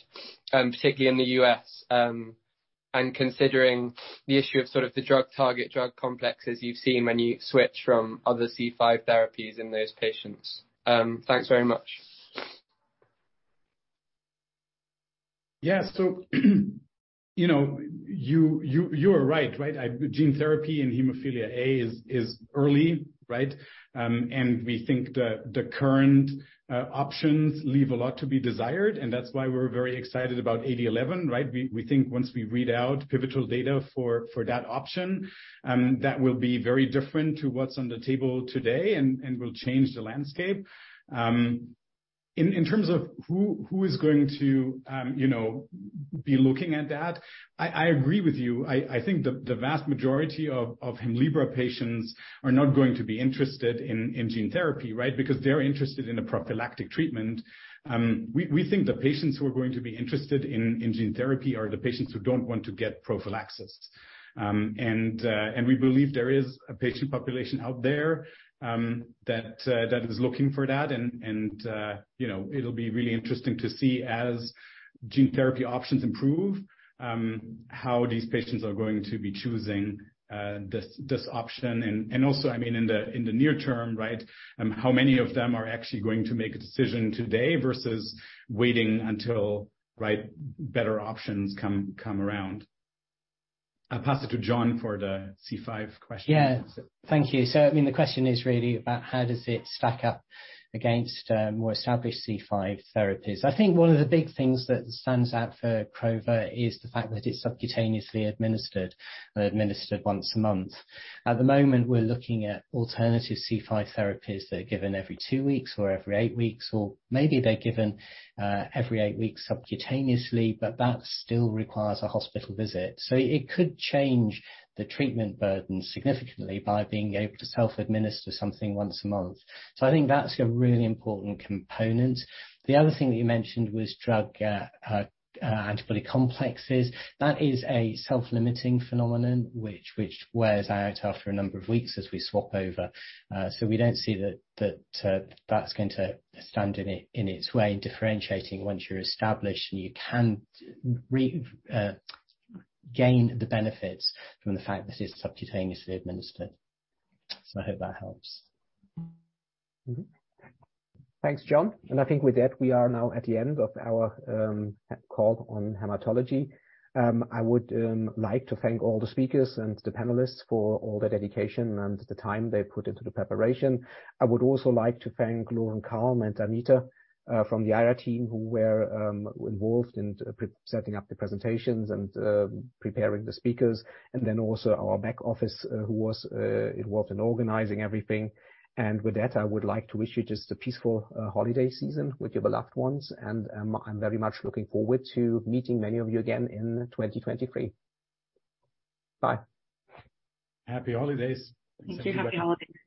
particularly in the U.S.? Considering the issue of sort of the drug-target drug complexes you've seen when you switch from other C5 therapies in those patients. Thanks very much. Yeah. You know, you are right? Gene therapy in hemophilia A is early, right? We think the current options leave a lot to be desired, and that's why we're very excited about AD11, right? We think once we read out pivotal data for that option, that will be very different to what's on the table today and will change the landscape. In terms of who is going to, you know, be looking at that, I agree with you. I think the vast majority of Hemlibra patients are not going to be interested in gene therapy, right? Because they're interested in a prophylactic treatment. We think the patients who are going to be interested in gene therapy are the patients who don't want to get prophylaxis. We believe there is a patient population out there that is looking for that. You know, it'll be really interesting to see, as gene therapy options improve how these patients are going to be choosing this option. Also, I mean, in the near term, right, how many of them are actually going to make a decision today versus waiting until, right, better options come around. I'll pass it to John for the C5 question. Yeah. Thank you. I mean, the question is really about how does it stack up against more established C5 therapies. I think one of the big things that stands out for crova is the fact that it's subcutaneously administered once a month. At the moment, we're looking at alternative C5 therapies that are given every two weeks or every eight weeks, or maybe they're given every eight weeks subcutaneously, but that still requires a hospital visit. It could change the treatment burden significantly by being able to self-administer something once a month. I think that's a really important component. The other thing that you mentioned was drug antibody complexes. That is a self-limiting phenomenon which wears out after a number of weeks as we swap over. We don't see that that's going to stand in its way in differentiating once you're established and you can gain the benefits from the fact that it's subcutaneously administered. I hope that helps. Thanks, John. I think with that, we are now at the end of our call on hematology. I would like to thank all the speakers and the panelists for all the dedication and the time they put into the preparation. I would also like to thank Loren Kalm and Anita, from the IR team, who were involved in setting up the presentations and preparing the speakers. Also our back office, who was involved in organizing everything. With that, I would like to wish you just a peaceful holiday season with your beloved ones. I'm very much looking forward to meeting many of you again in 2023. Bye. Happy holidays. Thanks everybody. Thank you. Happy holidays.